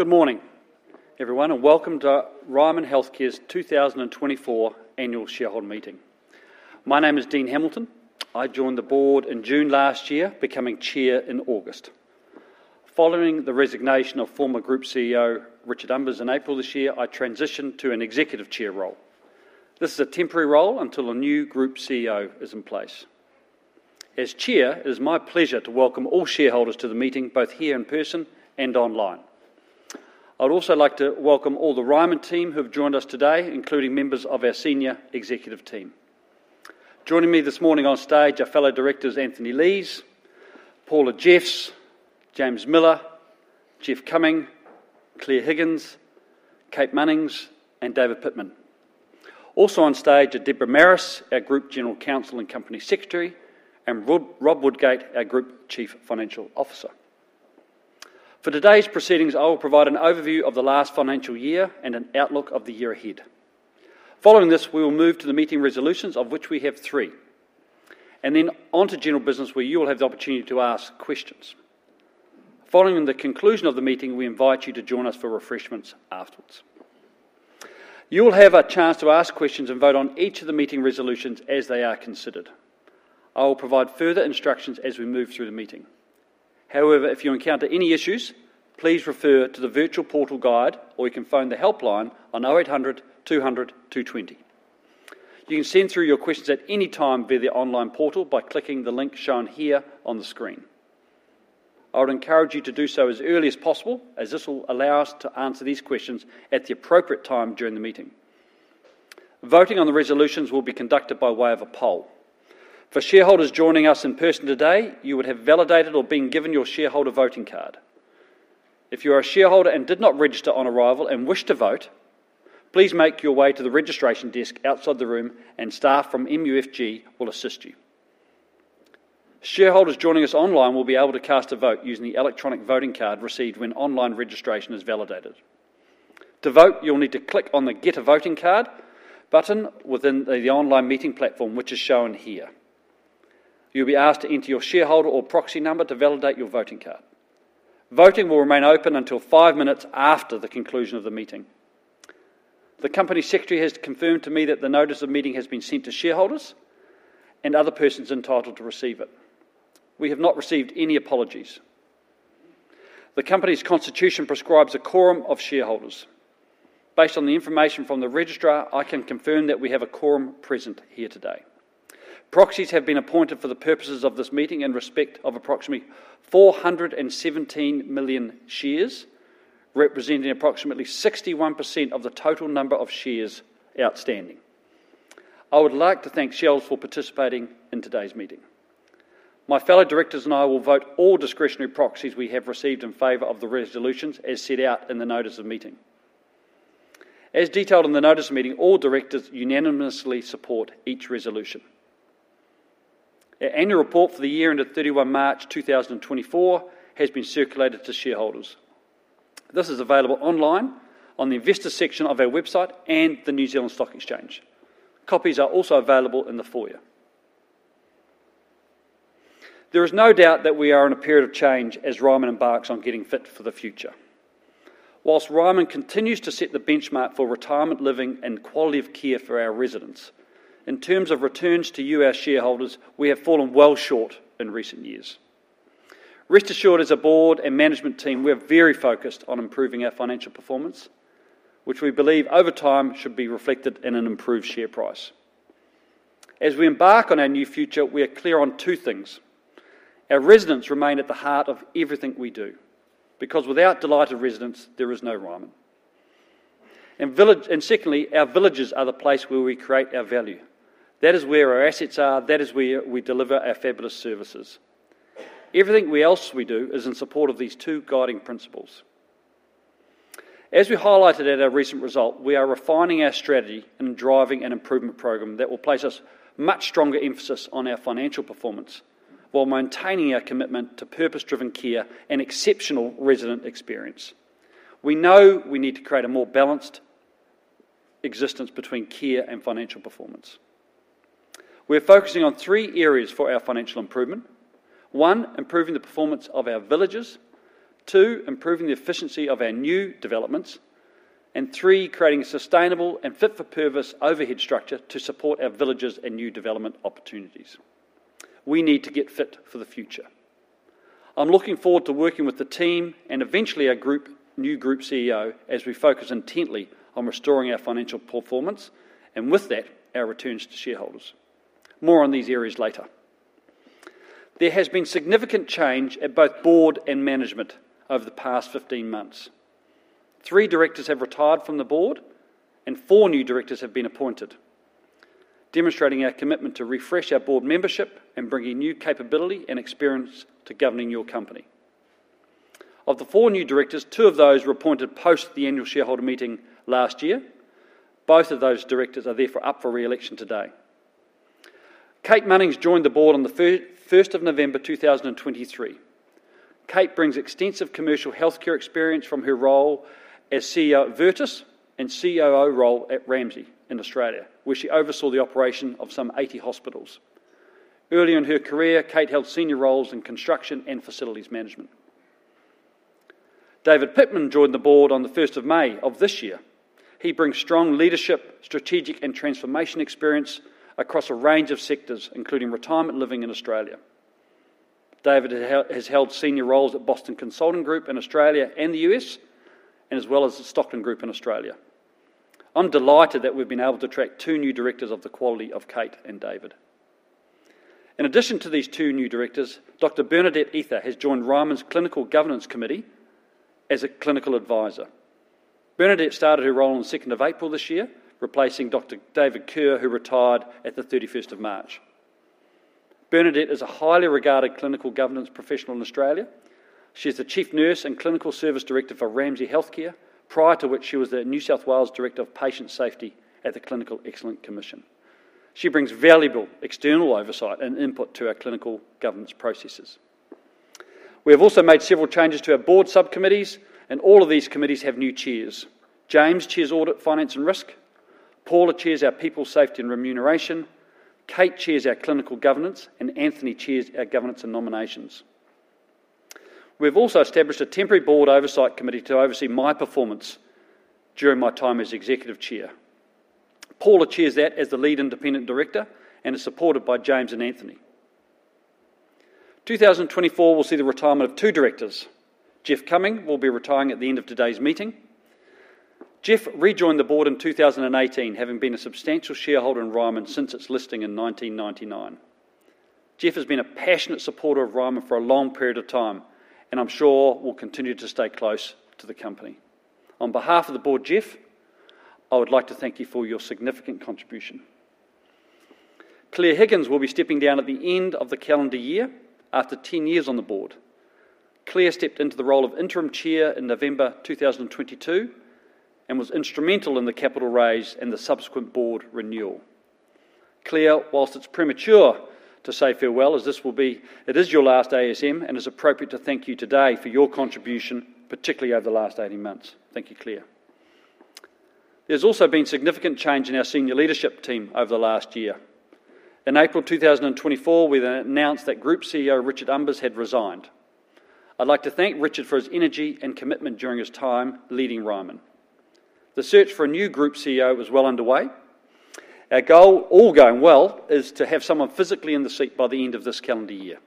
Good morning, everyone, and welcome to Ryman Healthcare's 2024 Annual Shareholder Meeting. My name is Dean Hamilton. I joined the board in June last year, becoming chair in August. Following the resignation of former Group CEO, Richard Umbers, in April this year, I transitioned to an executive chair role. This is a temporary role until a new group CEO is in place. As chair, it is my pleasure to welcome all shareholders to the meeting, both here in person and online. I'd also like to welcome all the Ryman team who have joined us today, including members of our senior executive team. Joining me this morning on stage are fellow directors Anthony Leighs, Paula Jeffs, James Miller, Geoff Cumming, Claire Higgins, Kate Munnings, and David Pitman. Also on stage are Deborah Marris, our Group General Counsel and Company Secretary, and Rob Woodgate, our Group Chief Financial Officer. For today's proceedings, I will provide an overview of the last financial year and an outlook of the year ahead. Following this, we will move to the meeting resolutions, of which we have three, and then on to general business, where you will have the opportunity to ask questions. Following the conclusion of the meeting, we invite you to join us for refreshments afterwards. You will have a chance to ask questions and vote on each of the meeting resolutions as they are considered. I will provide further instructions as we move through the meeting. However, if you encounter any issues, please refer to the virtual portal guide, or you can phone the helpline on 0800 200 220. You can send through your questions at any time via the online portal by clicking the link shown here on the screen. I would encourage you to do so as early as possible, as this will allow us to answer these questions at the appropriate time during the meeting. Voting on the resolutions will be conducted by way of a poll. For shareholders joining us in person today, you would have validated or been given your shareholder voting card. If you are a shareholder and did not register on arrival and wish to vote, please make your way to the registration desk outside the room, and staff from MUFG will assist you. Shareholders joining us online will be able to cast a vote using the electronic voting card received when online registration is validated. To vote, you'll need to click on the Get a Voting Card button within the online meeting platform, which is shown here. You'll be asked to enter your shareholder or proxy number to validate your voting card. Voting will remain open until 5 minutes after the conclusion of the meeting. The company secretary has confirmed to me that the notice of meeting has been sent to shareholders and other persons entitled to receive it. We have not received any apologies. The company's constitution prescribes a quorum of shareholders. Based on the information from the registrar, I can confirm that we have a quorum present here today. Proxies have been appointed for the purposes of this meeting in respect of approximately 417 million shares, representing approximately 61% of the total number of shares outstanding. I would like to thank shareholders for participating in today's meeting. My fellow directors and I will vote all discretionary proxies we have received in favor of the resolutions as set out in the notice of meeting. As detailed in the notice of meeting, all directors unanimously support each resolution. Our annual report for the year ended 31 March 2024 has been circulated to shareholders. This is available online on the investor section of our website and the New Zealand Stock Exchange. Copies are also available in the foyer. There is no doubt that we are in a period of change as Ryman embarks on getting fit for the future. While Ryman continues to set the benchmark for retirement living and quality of care for our residents, in terms of returns to you, our shareholders, we have fallen well short in recent years. Rest assured, as a board and management team, we are very focused on improving our financial performance, which we believe, over time, should be reflected in an improved share price. As we embark on our new future, we are clear on two things: our residents remain at the heart of everything we do, because without delighted residents, there is no Ryman. And villages—and secondly, our villages are the place where we create our value. That is where our assets are. That is where we deliver our fabulous services. Everything else we do is in support of these two guiding principles. As we highlighted at our recent results, we are refining our strategy and driving an improvement program that will place a much stronger emphasis on our financial performance while maintaining our commitment to purpose-driven care and exceptional resident experience. We know we need to create a more balanced existence between care and financial performance. We're focusing on three areas for our financial improvement: one, improving the performance of our villages; two, improving the efficiency of our new developments; and three, creating a sustainable and fit-for-purpose overhead structure to support our villages and new development opportunities. We need to get fit for the future. I'm looking forward to working with the team and eventually our group, new group CEO, as we focus intently on restoring our financial performance, and with that, our returns to shareholders. More on these areas later. There has been significant change at both board and management over the past 15 months. Three directors have retired from the board, and four new directors have been appointed, demonstrating our commitment to refresh our board membership and bringing new capability and experience to governing your company. Of the four new directors, two of those were appointed post the annual shareholder meeting last year. Both of those directors are therefore up for re-election today. Kate Munnings joined the board on the first of November, two thousand and twenty-three. Kate brings extensive commercial healthcare experience from her role as CEO at Virtus and COO role at Ramsay in Australia, where she oversaw the operation of some 80 hospitals. Early in her career, Kate held senior roles in construction and facilities management. David Pitman joined the board on the first of May of this year. He brings strong leadership, strategic, and transformation experience across a range of sectors, including retirement living in Australia. David has held senior roles at Boston Consulting Group in Australia and the U.S., and as well as the Stockland Group in Australia. I'm delighted that we've been able to attract two new directors of the quality of Kate and David. In addition to these two new directors, Dr. Bernadette Eather has joined Ryman Clinical Governance Committee as a clinical advisor. Bernadette started her role on the second of April this year, replacing David Kerr, who retired at the thirty-first of March. Bernadette is a highly regarded clinical governance professional in Australia. She's the Chief Nurse and Clinical Service Director for Ramsay Health Care, prior to which she was the New South Wales Director of Patient Safety at the Clinical Excellence Commission. She brings valuable external oversight and input to our clinical governance processes. We have also made several changes to our board subcommittees, and all of these committees have new chairs. James chairs Audit, Finance, and Risk. Paula chairs our People, Safety, and Remuneration. Kate chairs our Clinical Governance. Anthony chairs our Governance and Nominations. We've also established a temporary board oversight committee to oversee my performance during my time as Executive Chair. Paula chairs that as the Lead Independent Director and is supported by James and Anthony. 2024 will see the retirement of two directors. Geoff Cumming will be retiring at the end of today's meeting. Geoff rejoined the board in 2018, having been a substantial shareholder in Ryman since its listing in 1999. Geoff has been a passionate supporter of Ryman for a long period of time, and I'm sure will continue to stay close to the company. On behalf of the board, Geoff, I would like to thank you for your significant contribution. Claire Higgins will be stepping down at the end of the calendar year after ten years on the board. Claire stepped into the role of Interim Chair in November 2022 and was instrumental in the capital raise and the subsequent board renewal. Claire, whilst it's premature to say farewell, as this will be... It is your last ASM, and it's appropriate to thank you today for your contribution, particularly over the last 18 months. Thank you, Claire. There's also been significant change in our senior leadership team over the last year. In April 2024, we then announced that Group CEO, Richard Umbers, had resigned. I'd like to thank Richard for his energy and commitment during his time leading Ryman. The search for a new Group CEO is well underway. Our goal, all going well, is to have someone physically in the seat by the end of this calendar year.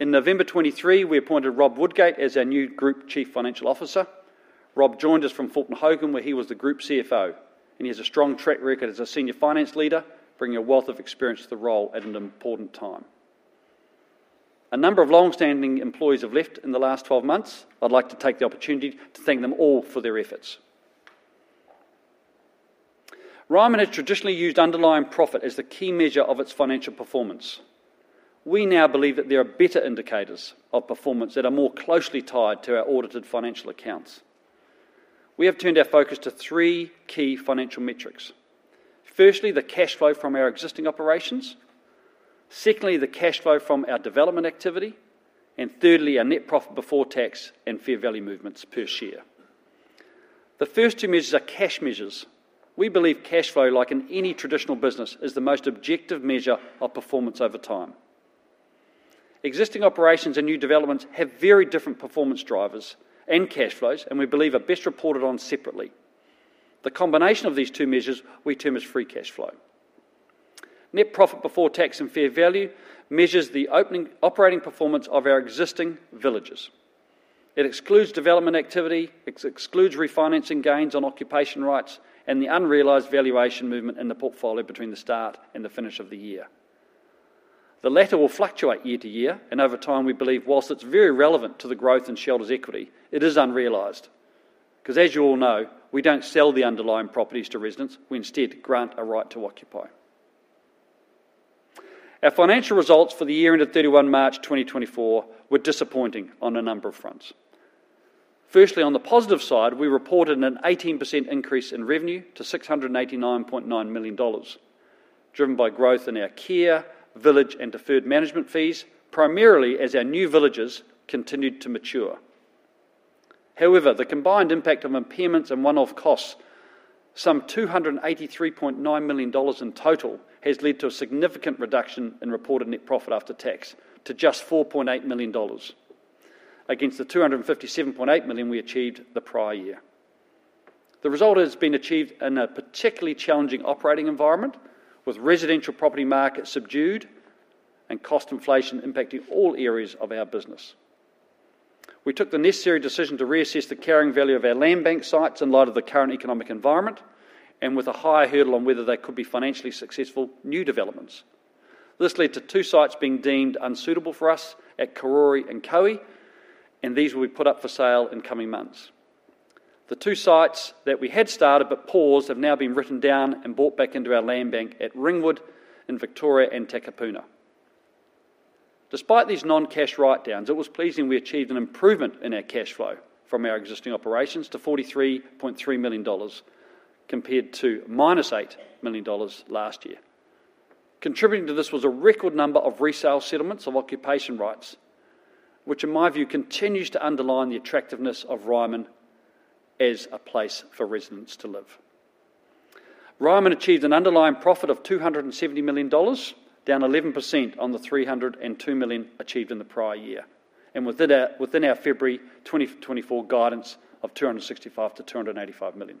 In November 2023, we appointed Rob Woodgate as our new Group Chief Financial Officer. Rob joined us from Fulton Hogan, where he was the Group CFO, and he has a strong track record as a senior finance leader, bringing a wealth of experience to the role at an important time. A number of long-standing employees have left in the last twelve months. I'd like to take the opportunity to thank them all for their efforts. Ryman has traditionally used Underlying Profit as the key measure of its financial performance. We now believe that there are better indicators of performance that are more closely tied to our audited financial accounts. We have turned our focus to three key financial metrics: firstly, the cash flow from our existing operations; secondly, the cash flow from our development activity; and thirdly, our Net Profit Before Tax and fair value movements per share. The first two measures are cash measures. We believe cash flow, like in any traditional business, is the most objective measure of performance over time. Existing operations and new developments have very different performance drivers and cash flows, and we believe are best reported on separately. The combination of these two measures, we term as free cash flow. Net profit before tax and fair value measures the ongoing operating performance of our existing villages. It excludes development activity, excludes refinancing gains on occupation rights, and the unrealized valuation movement in the portfolio between the start and the finish of the year. The latter will fluctuate year to year, and over time, we believe whilst it's very relevant to the growth in shareholders' equity, it is unrealized, 'cause as you all know, we don't sell the underlying properties to residents. We instead grant a right to occupy. Our financial results for the year ended 31 March 2024 were disappointing on a number of fronts. Firstly, on the positive side, we reported an 18% increase in revenue to 689.9 million dollars, driven by growth in our care, village, and deferred management fees, primarily as our new villages continued to mature. However, the combined impact of impairments and one-off costs, some 283.9 million dollars in total, has led to a significant reduction in reported net profit after tax to just 4.8 million dollars, against the 257.8 million we achieved the prior year. The result has been achieved in a particularly challenging operating environment, with residential property markets subdued and cost inflation impacting all areas of our business. We took the necessary decision to reassess the carrying value of our land bank sites in light of the current economic environment and with a higher hurdle on whether they could be financially successful new developments. This led to two sites being deemed unsuitable for us at Karori and Kohimarama, and these will be put up for sale in coming months. The two sites that we had started but paused have now been written down and bought back into our land bank at Ringwood, in Victoria, and Takapuna. Despite these non-cash write-downs, it was pleasing we achieved an improvement in our cash flow from our existing operations to 43.3 million dollars, compared to minus 8 million dollars last year. Contributing to this was a record number of resale settlements of occupation rights, which, in my view, continues to underline the attractiveness of Ryman-... as a place for residents to live. Ryman achieved an underlying profit of 270 million dollars, down 11% on the 302 million achieved in the prior year, and within our February 2024 guidance of 265 million-285 million.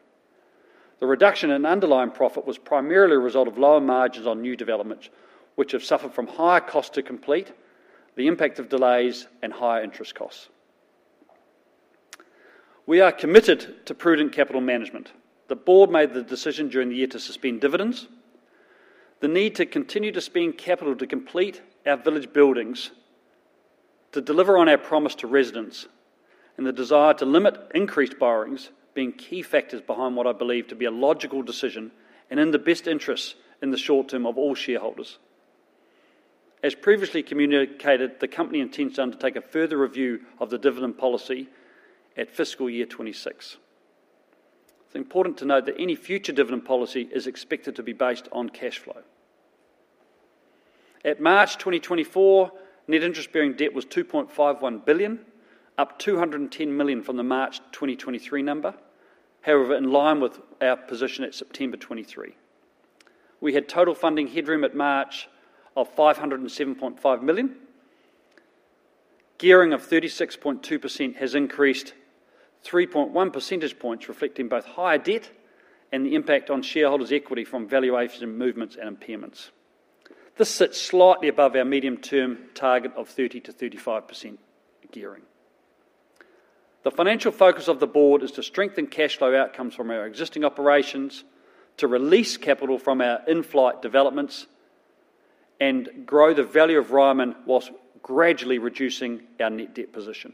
The reduction in underlying profit was primarily a result of lower margins on new developments, which have suffered from higher costs to complete, the impact of delays, and higher interest costs. We are committed to prudent capital management. The board made the decision during the year to suspend dividends. The need to continue to spend capital to complete our village buildings, to deliver on our promise to residents, and the desire to limit increased borrowings, being key factors behind what I believe to be a logical decision, and in the best interest, in the short term, of all shareholders. As previously communicated, the company intends to undertake a further review of the dividend policy at fiscal year 2026. It's important to note that any future dividend policy is expected to be based on cash flow. At March 2024, net interest-bearing debt was 2.51 billion, up 210 million from the March 2023 number. However, in line with our position at September 2023, we had total funding headroom at March of 507.5 million. Gearing of 36.2% has increased 3.1 percentage points, reflecting both higher debt and the impact on shareholders' equity from valuation movements and impairments. This sits slightly above our medium-term target of 30%-35% gearing. The financial focus of the board is to strengthen cash flow outcomes from our existing operations, to release capital from our in-flight developments, and grow the value of Ryman whilst gradually reducing our net debt position.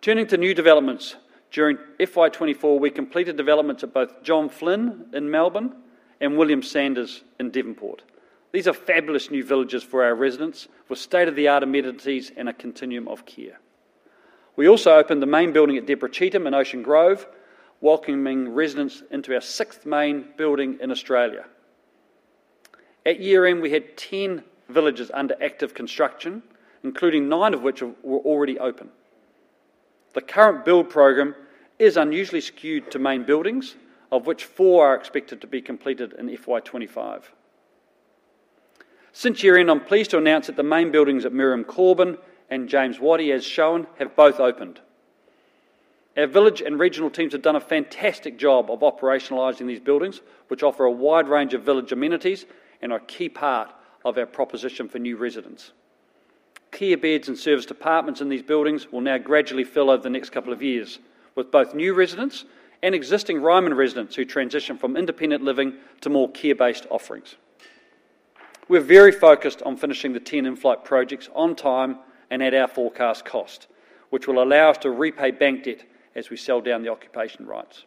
Turning to new developments, during FY24, we completed developments at both John Flynn in Melbourne and William Sanders in Devonport. These are fabulous new villages for our residents, with state-of-the-art amenities and a continuum of care. We also opened the main building at Deborah Cheetham in Ocean Grove, welcoming residents into our sixth main building in Australia. At year-end, we had 10 villages under active construction, including 9 of which were already open. The current build program is unusually skewed to main buildings, of which 4 are expected to be completed in FY25. Since year-end, I'm pleased to announce that the main buildings at Miriam Corban and James Wattie, as shown, have both opened. Our village and regional teams have done a fantastic job of operationalizing these buildings, which offer a wide range of village amenities and are a key part of our proposition for new residents. Care beds and service departments in these buildings will now gradually fill over the next couple of years with both new residents and existing Ryman residents who transition from independent living to more care-based offerings. We're very focused on finishing the 10 in-flight projects on time and at our forecast cost, which will allow us to repay bank debt as we sell down the occupation rights.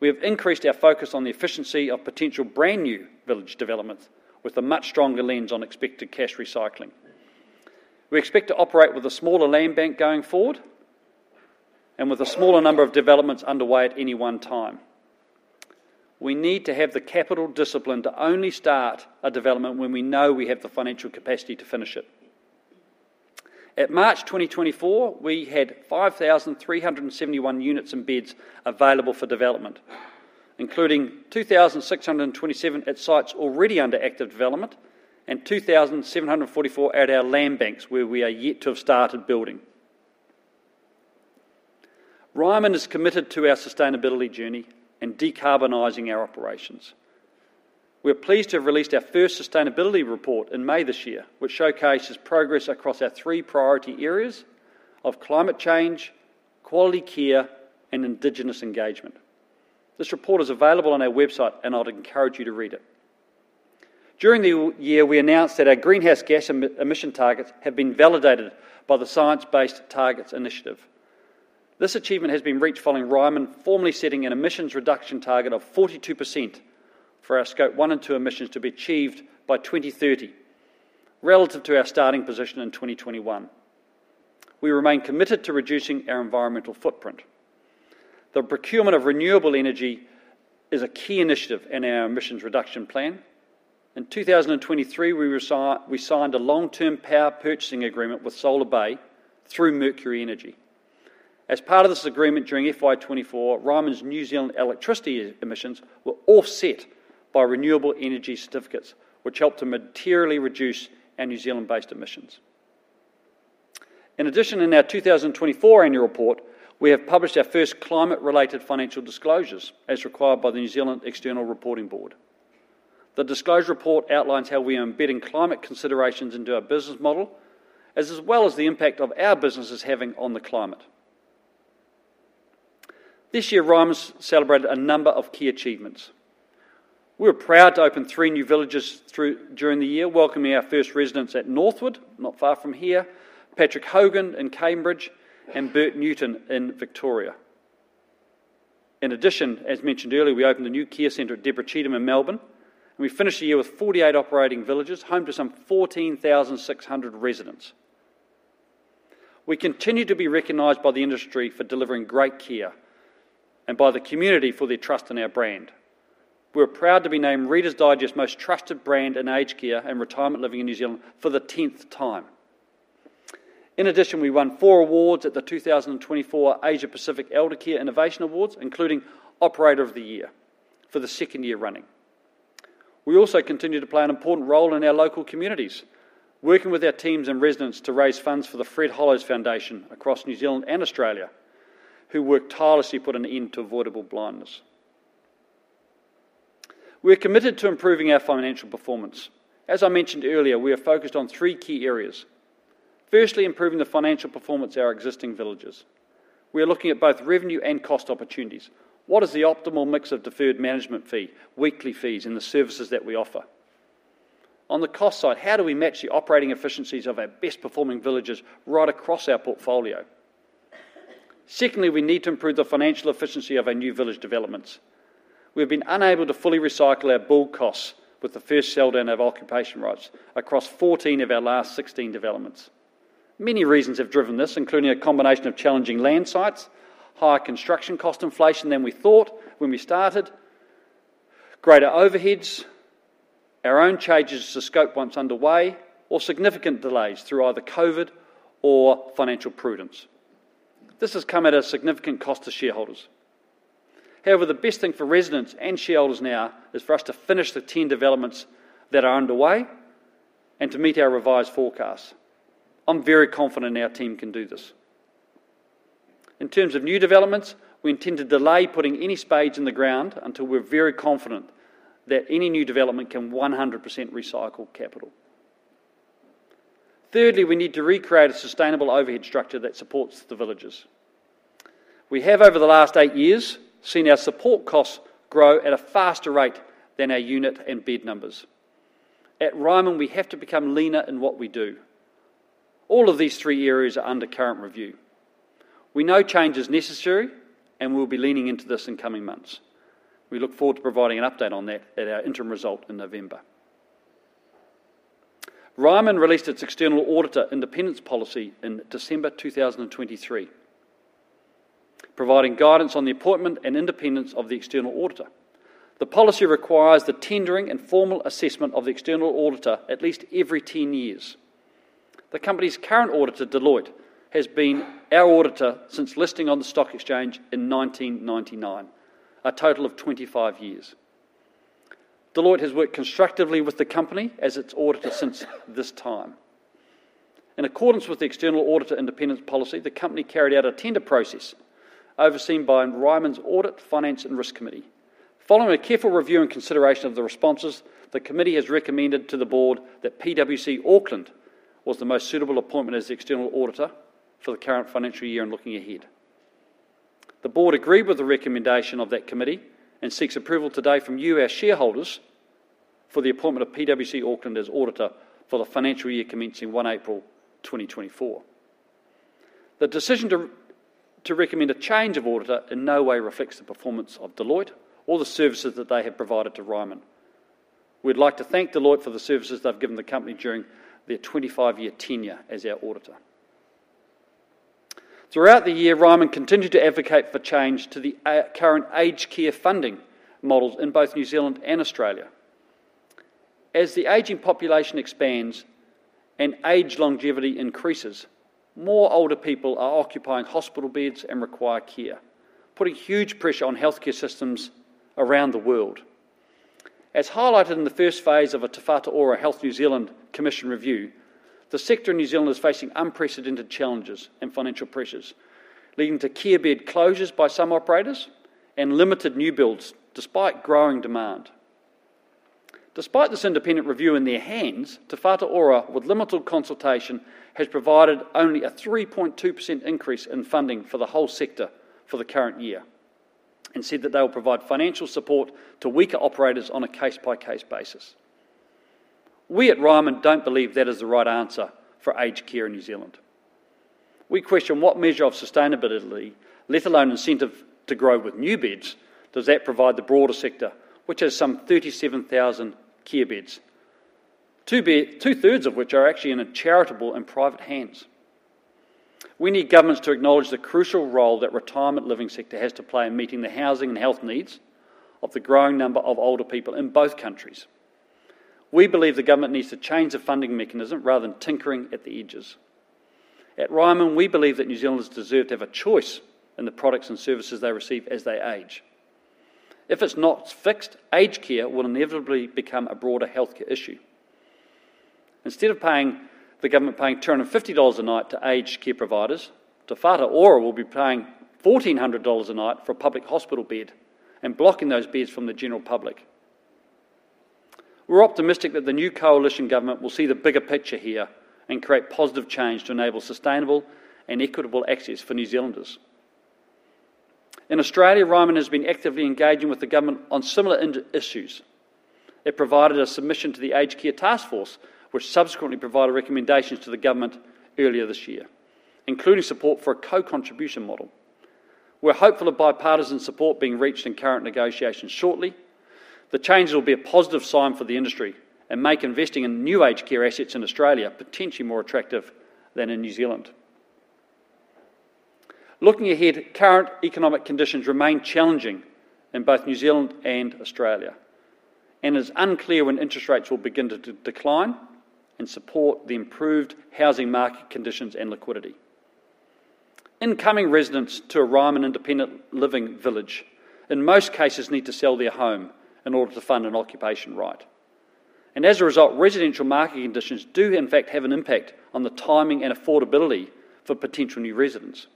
We have increased our focus on the efficiency of potential brand-new village developments, with a much stronger lens on expected cash recycling. We expect to operate with a smaller land bank going forward, and with a smaller number of developments underway at any one time. We need to have the capital discipline to only start a development when we know we have the financial capacity to finish it. At March 2024, we had 5,371 units and beds available for development, including 2,627 at sites already under active development, and 2,744 at our land banks, where we are yet to have started building. Ryman is committed to our sustainability journey and decarbonizing our operations. We are pleased to have released our first sustainability report in May this year, which showcases progress across our three priority areas of climate change, quality care, and Indigenous engagement. This report is available on our website, and I'd encourage you to read it. During the year, we announced that our greenhouse gas emission targets have been validated by the Science Based Targets initiative. This achievement has been reached following Ryman formally setting an emissions reduction target of 42% for our Scope 1 and 2 emissions to be achieved by 2030, relative to our starting position in 2021. We remain committed to reducing our environmental footprint. The procurement of renewable energy is a key initiative in our emissions reduction plan. In 2023, we signed a long-term power purchasing agreement with Solar Bay through Mercury Energy. As part of this agreement, during FY24, Ryman's New Zealand electricity emissions were offset by renewable energy certificates, which helped to materially reduce our New Zealand-based emissions. In addition, in our 2024 annual report, we have published our first climate-related financial disclosures, as required by the New Zealand External Reporting Board. The disclosure report outlines how we are embedding climate considerations into our business model, as well as the impact of our businesses having on the climate. This year, Ryman celebrated a number of key achievements. We're proud to open 3 new villages during the year, welcoming our first residents at Northwood, not far from here, Patrick Hogan in Cambridge, and Bert Newton in Victoria. In addition, as mentioned earlier, we opened a new care center at Deborah Cheetham in Melbourne, and we finished the year with 48 operating villages, home to some 14,600 residents. We continue to be recognized by the industry for delivering great care... and by the community for their trust in our brand. We're proud to be named Reader's Digest Most Trusted Brand in aged care and retirement living in New Zealand for the 10th time. In addition, we won 4 awards at the 2024 Asia Pacific Eldercare Innovation Awards, including Operator of the Year for the 2nd year running. We also continue to play an important role in our local communities, working with our teams and residents to raise funds for The Fred Hollows Foundation across New Zealand and Australia, who work tirelessly to put an end to avoidable blindness. We're committed to improving our financial performance. As I mentioned earlier, we are focused on three key areas. Firstly, improving the financial performance of our existing villages. We are looking at both revenue and cost opportunities. What is the optimal mix of deferred management fee, weekly fees, and the services that we offer? On the cost side, how do we match the operating efficiencies of our best performing villages right across our portfolio? Secondly, we need to improve the financial efficiency of our new village developments. We've been unable to fully recycle our build costs with the first sale down of occupation rights across 14 of our last 16 developments. Many reasons have driven this, including a combination of challenging land sites, higher construction cost inflation than we thought when we started, greater overheads, our own changes to scope once underway, or significant delays through either COVID or financial prudence. This has come at a significant cost to shareholders. However, the best thing for residents and shareholders now is for us to finish the 10 developments that are underway and to meet our revised forecasts. I'm very confident our team can do this. In terms of new developments, we intend to delay putting any spades in the ground until we're very confident that any new development can 100% recycle capital. Thirdly, we need to recreate a sustainable overhead structure that supports the villages. We have, over the last eight years, seen our support costs grow at a faster rate than our unit and bed numbers. At Ryman, we have to become leaner in what we do. All of these three areas are under current review. We know change is necessary, and we'll be leaning into this in coming months. We look forward to providing an update on that at our interim result in November. Ryman released its External Auditor Independence Policy in December 2023, providing guidance on the appointment and independence of the external auditor. The policy requires the tendering and formal assessment of the external auditor at least every 10 years. The company's current auditor, Deloitte, has been our auditor since listing on the stock exchange in 1999, a total of 25 years. Deloitte has worked constructively with the company as its auditor since this time. In accordance with the External Auditor Independence Policy, the company carried out a tender process overseen by Ryman's Audit, Finance and Risk Committee. Following a careful review and consideration of the responses, the committee has recommended to the board that PwC Auckland was the most suitable appointment as the external auditor for the current financial year and looking ahead. The board agreed with the recommendation of that committee and seeks approval today from you, our shareholders, for the appointment of PwC Auckland as auditor for the financial year commencing 1 April 2024. The decision to recommend a change of auditor in no way reflects the performance of Deloitte or the services that they have provided to Ryman. We'd like to thank Deloitte for the services they've given the company during their 25-year tenure as our auditor. Throughout the year, Ryman continued to advocate for change to the current aged care funding models in both New Zealand and Australia. As the aging population expands and age longevity increases, more older people are occupying hospital beds and require care, putting huge pressure on healthcare systems around the world. As highlighted in the first phase of a Te Whatu Ora - Health New Zealand commissioned review, the sector in New Zealand is facing unprecedented challenges and financial pressures, leading to care bed closures by some operators and limited new builds despite growing demand. Despite this independent review in their hands, Te Whatu Ora, with limited consultation, has provided only a 3.2% increase in funding for the whole sector for the current year, and said that they will provide financial support to weaker operators on a case-by-case basis. We at Ryman don't believe that is the right answer for aged care in New Zealand. We question what measure of sustainability, let alone incentive to grow with new beds, does that provide the broader sector, which has some 37,000 care beds, 2/3 of which are actually in a charitable and private hands? We need governments to acknowledge the crucial role that retirement living sector has to play in meeting the housing and health needs of the growing number of older people in both countries. We believe the government needs to change the funding mechanism rather than tinkering at the edges. At Ryman, we believe that New Zealanders deserve to have a choice in the products and services they receive as they age. If it's not fixed, aged care will inevitably become a broader healthcare issue. Instead of paying, the government paying 250 dollars a night to aged care providers, Te Whatu Ora will be paying 1,400 dollars a night for a public hospital bed and blocking those beds from the general public. We're optimistic that the new coalition government will see the bigger picture here and create positive change to enable sustainable and equitable access for New Zealanders. In Australia, Ryman has been actively engaging with the government on similar issues. It provided a submission to the Aged Care Taskforce, which subsequently provided recommendations to the government earlier this year, including support for a co-contribution model. We're hopeful of bipartisan support being reached in current negotiations shortly. The changes will be a positive sign for the industry and make investing in new aged care assets in Australia potentially more attractive than in New Zealand. Looking ahead, current economic conditions remain challenging in both New Zealand and Australia, and it's unclear when interest rates will begin to decline and support the improved housing market conditions and liquidity. Incoming residents to a Ryman independent living village, in most cases, need to sell their home in order to fund an occupation right, and as a result, residential market conditions do in fact have an impact on the timing and affordability for potential new residents.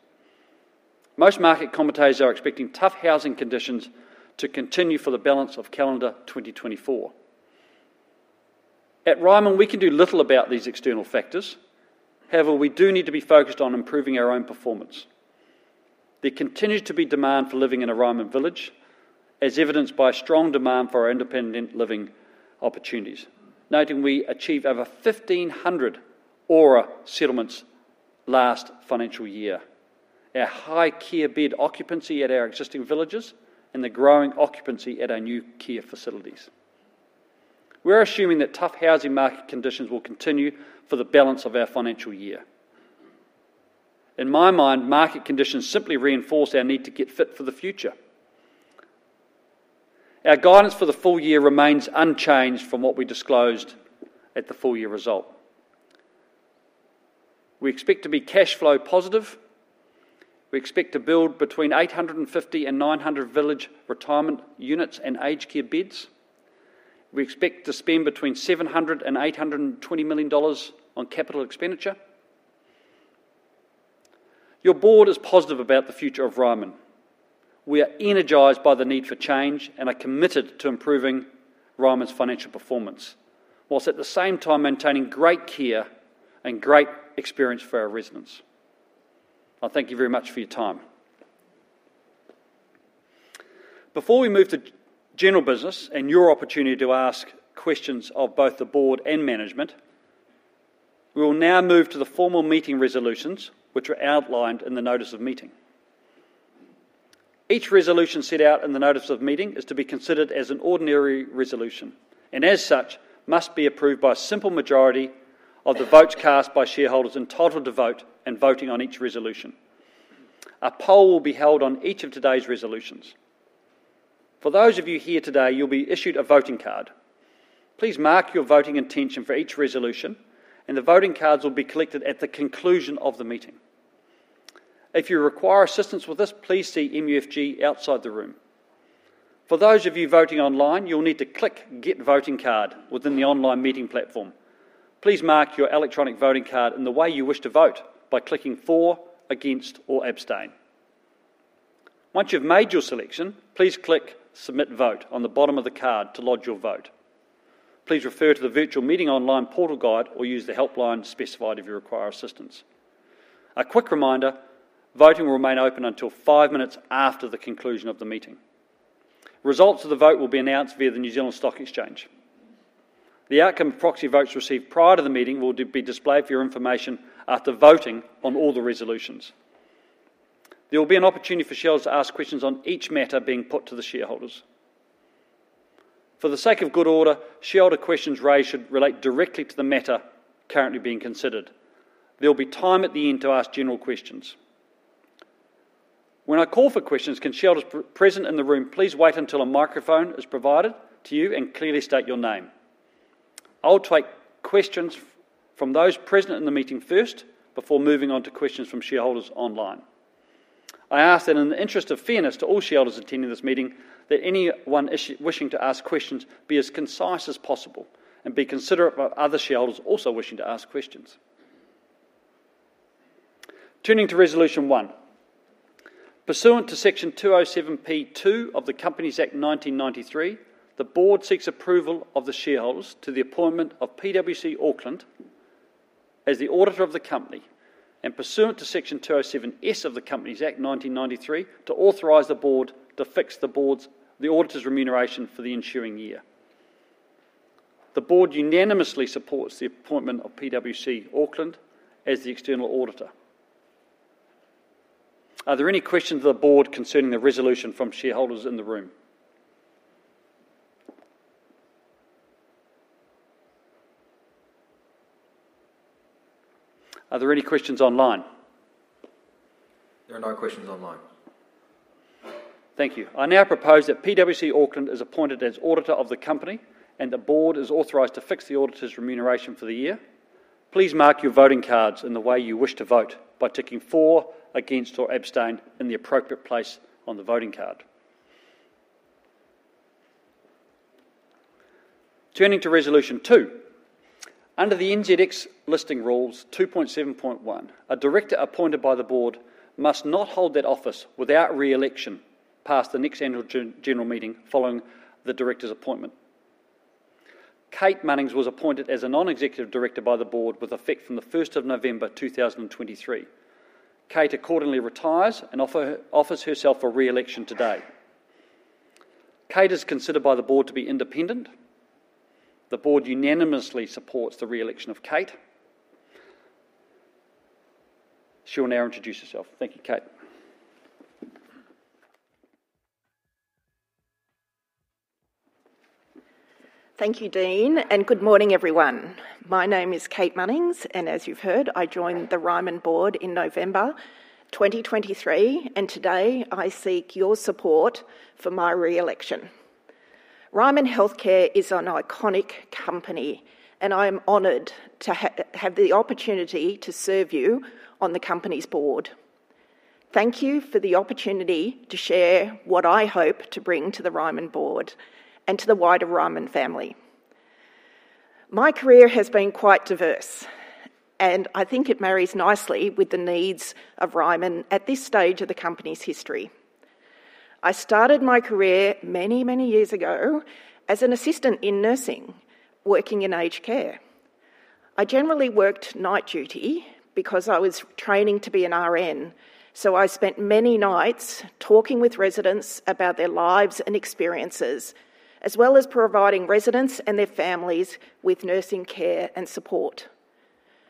Most market commentators are expecting tough housing conditions to continue for the balance of calendar 2024. At Ryman, we can do little about these external factors; however, we do need to be focused on improving our own performance. There continues to be demand for living in a Ryman village, as evidenced by strong demand for our independent living opportunities. Noting we achieved over 1,500 ORA settlements last financial year, our high care bed occupancy at our existing villages, and the growing occupancy at our new care facilities. We're assuming that tough housing market conditions will continue for the balance of our financial year. In my mind, market conditions simply reinforce our need to get fit for the future. Our guidance for the full year remains unchanged from what we disclosed at the full year result. We expect to be cash flow positive. We expect to build between 850 and 900 village retirement units and aged care beds. We expect to spend between 700 million dollars and NZD 820 million on capital expenditure. Your board is positive about the future of Ryman. We are energized by the need for change and are committed to improving Ryman's financial performance, whilst at the same time maintaining great care and great experience for our residents. I thank you very much for your time. Before we move to general business and your opportunity to ask questions of both the board and management, we will now move to the formal meeting resolutions, which are outlined in the notice of meeting. Each resolution set out in the notice of meeting is to be considered as an ordinary resolution, and as such, must be approved by a simple majority of the votes cast by shareholders entitled to vote and voting on each resolution. A poll will be held on each of today's resolutions. For those of you here today, you'll be issued a voting card. Please mark your voting intention for each resolution, and the voting cards will be collected at the conclusion of the meeting. If you require assistance with this, please see MUFG outside the room. For those of you voting online, you'll need to click Get Voting Card within the online meeting platform. Please mark your electronic voting card in the way you wish to vote by clicking For, Against, or Abstain. Once you've made your selection, please click Submit Vote on the bottom of the card to lodge your vote. Please refer to the virtual meeting online portal guide or use the helpline specified if you require assistance. A quick reminder, voting will remain open until five minutes after the conclusion of the meeting. Results of the vote will be announced via the New Zealand Stock Exchange. The outcome of proxy votes received prior to the meeting will be displayed for your information after voting on all the resolutions. There will be an opportunity for shareholders to ask questions on each matter being put to the shareholders. For the sake of good order, shareholder questions raised should relate directly to the matter currently being considered. There will be time at the end to ask general questions. When I call for questions, can shareholders present in the room please wait until a microphone is provided to you and clearly state your name. I'll take questions from those present in the meeting first before moving on to questions from shareholders online. I ask that in the interest of fairness to all shareholders attending this meeting, that anyone wishing to ask questions be as concise as possible and be considerate of other shareholders also wishing to ask questions. Turning to Resolution one, pursuant to Section 207P2 of the Companies Act 1993, the board seeks approval of the shareholders to the appointment of PwC Auckland as the auditor of the company, and pursuant to Section 207S of the Companies Act 1993, to authorize the board to fix the auditor's remuneration for the ensuing year. The board unanimously supports the appointment of PwC Auckland as the external auditor. Are there any questions of the board concerning the resolution from shareholders in the room? Are there any questions online? There are no questions online. Thank you. I now propose that PwC Auckland is appointed as auditor of the company, and the board is authorized to fix the auditor's remuneration for the year. Please mark your voting cards in the way you wish to vote by ticking For, Against, or Abstain in the appropriate place on the voting card. Turning to Resolution two, under the NZX Listing Rules, 2.7.1, a director appointed by the board must not hold that office without re-election past the next annual general meeting following the director's appointment. Kate Munnings was appointed as a non-executive director by the board with effect from the 1st of November, 2023. Kate accordingly retires and offers herself for re-election today. Kate is considered by the board to be independent. The board unanimously supports the re-election of Kate. She will now introduce herself. Thank you, Kate. ...Thank you, Dean, and good morning, everyone. My name is Kate Munnings, and as you've heard, I joined the Ryman board in November 2023, and today I seek your support for my re-election. Ryman Healthcare is an iconic company, and I am honored to have the opportunity to serve you on the company's board. Thank you for the opportunity to share what I hope to bring to the Ryman board and to the wider Ryman family. My career has been quite diverse, and I think it marries nicely with the needs of Ryman at this stage of the company's history. I started my career many, many years ago as an assistant in nursing, working in aged care. I generally worked night duty because I was training to be an RN, so I spent many nights talking with residents about their lives and experiences, as well as providing residents and their families with nursing care and support.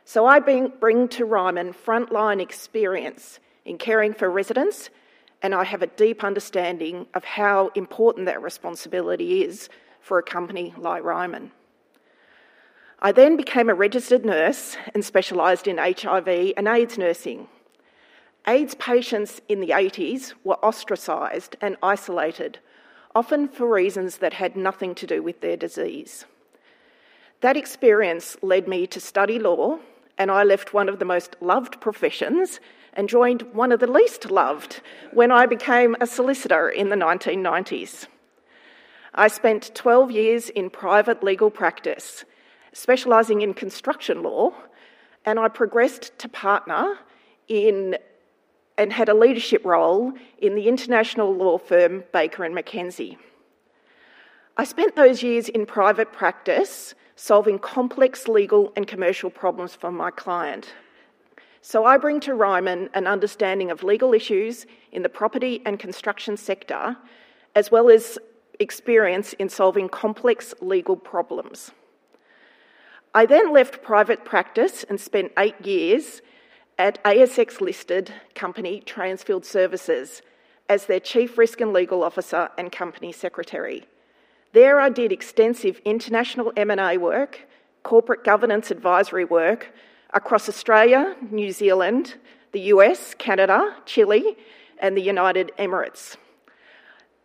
So I bring to Ryman frontline experience in caring for residents, and I have a deep understanding of how important that responsibility is for a company like Ryman. I then became a registered nurse and specialized in HIV and AIDS nursing. AIDS patients in the 1980s were ostracized and isolated, often for reasons that had nothing to do with their disease. That experience led me to study law, and I left one of the most loved professions and joined one of the least loved when I became a solicitor in the 1990s. I spent 12 years in private legal practice, specializing in construction law, and I progressed to partner and had a leadership role in the international law firm, Baker McKenzie. I spent those years in private practice solving complex legal and commercial problems for my client. So I bring to Ryman an understanding of legal issues in the property and construction sector, as well as experience in solving complex legal problems. I then left private practice and spent 8 years at ASX-listed company, Transfield Services, as their Chief Risk and Legal Officer and Company Secretary. There, I did extensive international M&A work, corporate governance advisory work across Australia, New Zealand, the US, Canada, Chile, and the United Arab Emirates.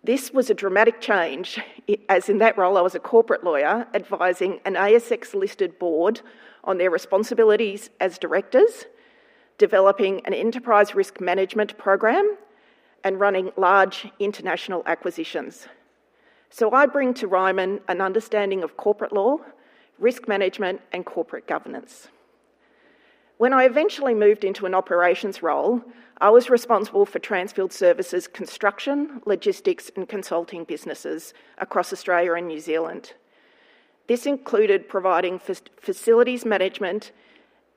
This was a dramatic change, as in that role, I was a corporate lawyer advising an ASX-listed board on their responsibilities as directors, developing an enterprise risk management program, and running large international acquisitions. So I bring to Ryman an understanding of corporate law, risk management, and corporate governance. When I eventually moved into an operations role, I was responsible for Transfield Services' construction, logistics, and consulting businesses across Australia and New Zealand. This included providing facilities management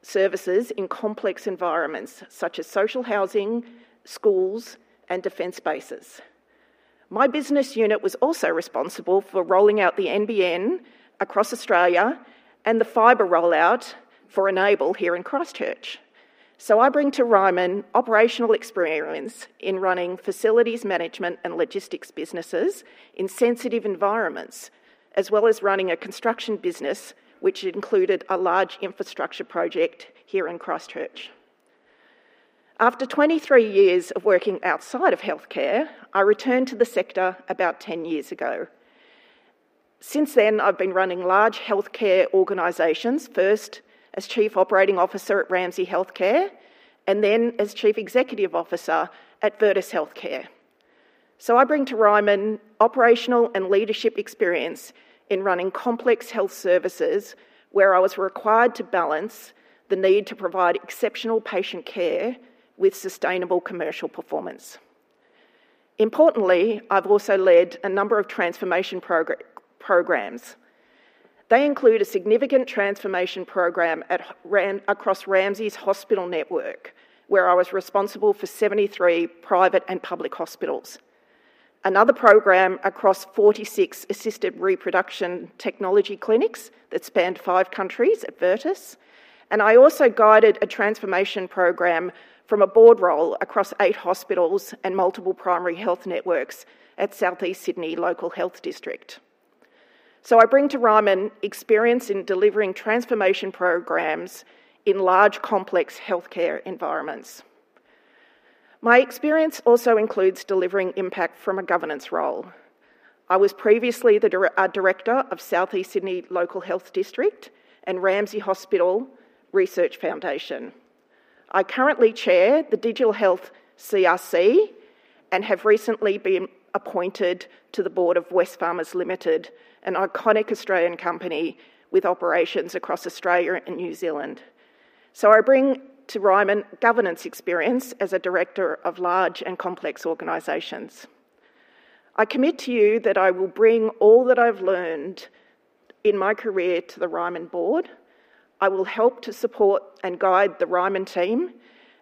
services in complex environments, such as social housing, schools, and defense bases. My business unit was also responsible for rolling out the NBN across Australia and the fiber rollout for Enable here in Christchurch. So I bring to Ryman operational experience in running facilities management and logistics businesses in sensitive environments, as well as running a construction business, which included a large infrastructure project here in Christchurch. After 23 years of working outside of healthcare, I returned to the sector about 10 years ago. Since then, I've been running large healthcare organizations, first as Chief Operating Officer at Ramsay Health Care and then as Chief Executive Officer at Virtus Health. So I bring to Ryman operational and leadership experience in running complex health services, where I was required to balance the need to provide exceptional patient care with sustainable commercial performance. Importantly, I've also led a number of transformation programs. They include a significant transformation program across Ramsay's hospital network, where I was responsible for 73 private and public hospitals. Another program across 46 assisted reproduction technology clinics that spanned five countries at Virtus, and I also guided a transformation program from a board role across eight hospitals and multiple primary health networks at South Eastern Sydney Local Health District. So I bring to Ryman experience in delivering transformation programs in large, complex healthcare environments. My experience also includes delivering impact from a governance role. I was previously a director of South Eastern Sydney Local Health District and Ramsay Hospital Research Foundation. I currently chair the Digital Health CRC and have recently been appointed to the board of Wesfarmers Limited, an iconic Australian company with operations across Australia and New Zealand. So I bring to Ryman governance experience as a director of large and complex organizations. I commit to you that I will bring all that I've learned in my career to the Ryman board. I will help to support and guide the Ryman team,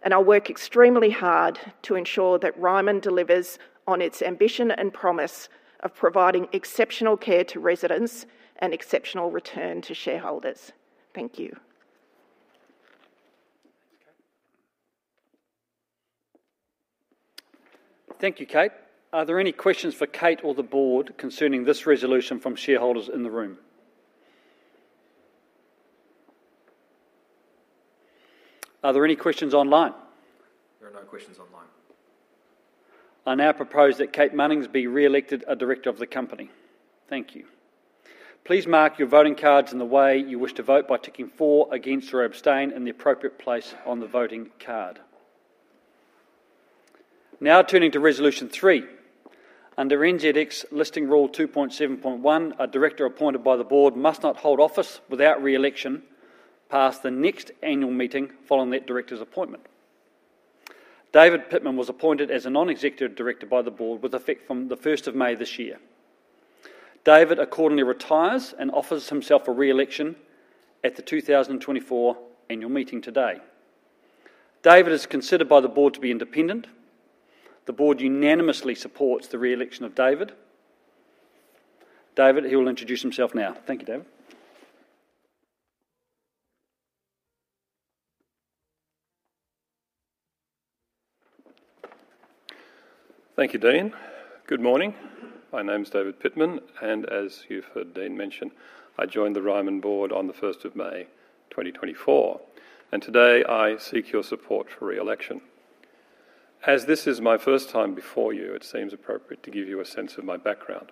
and I'll work extremely hard to ensure that Ryman delivers on its ambition and promise of providing exceptional care to residents and exceptional return to shareholders. Thank you.... Thank you, Kate. Are there any questions for Kate or the board concerning this resolution from shareholders in the room? Are there any questions online? There are no questions online. I now propose that Kate Munnings be re-elected a director of the company. Thank you. Please mark your voting cards in the way you wish to vote by ticking for, against, or abstain in the appropriate place on the voting card. Now turning to Resolution Three. Under NZX Listing Rule 2.7.1, a director appointed by the board must not hold office without re-election past the next annual meeting following that director's appointment. David Pitman was appointed as a non-executive director by the board with effect from the first of May this year. David accordingly retires and offers himself for re-election at the 2024 annual meeting today. David is considered by the board to be independent. The board unanimously supports the re-election of David. David, he will introduce himself now. Thank you, David. Thank you, Dean. Good morning. My name is David Pitman, and as you've heard Dean mention, I joined the Ryman board on the first of May, 2024, and today I seek your support for re-election. As this is my first time before you, it seems appropriate to give you a sense of my background.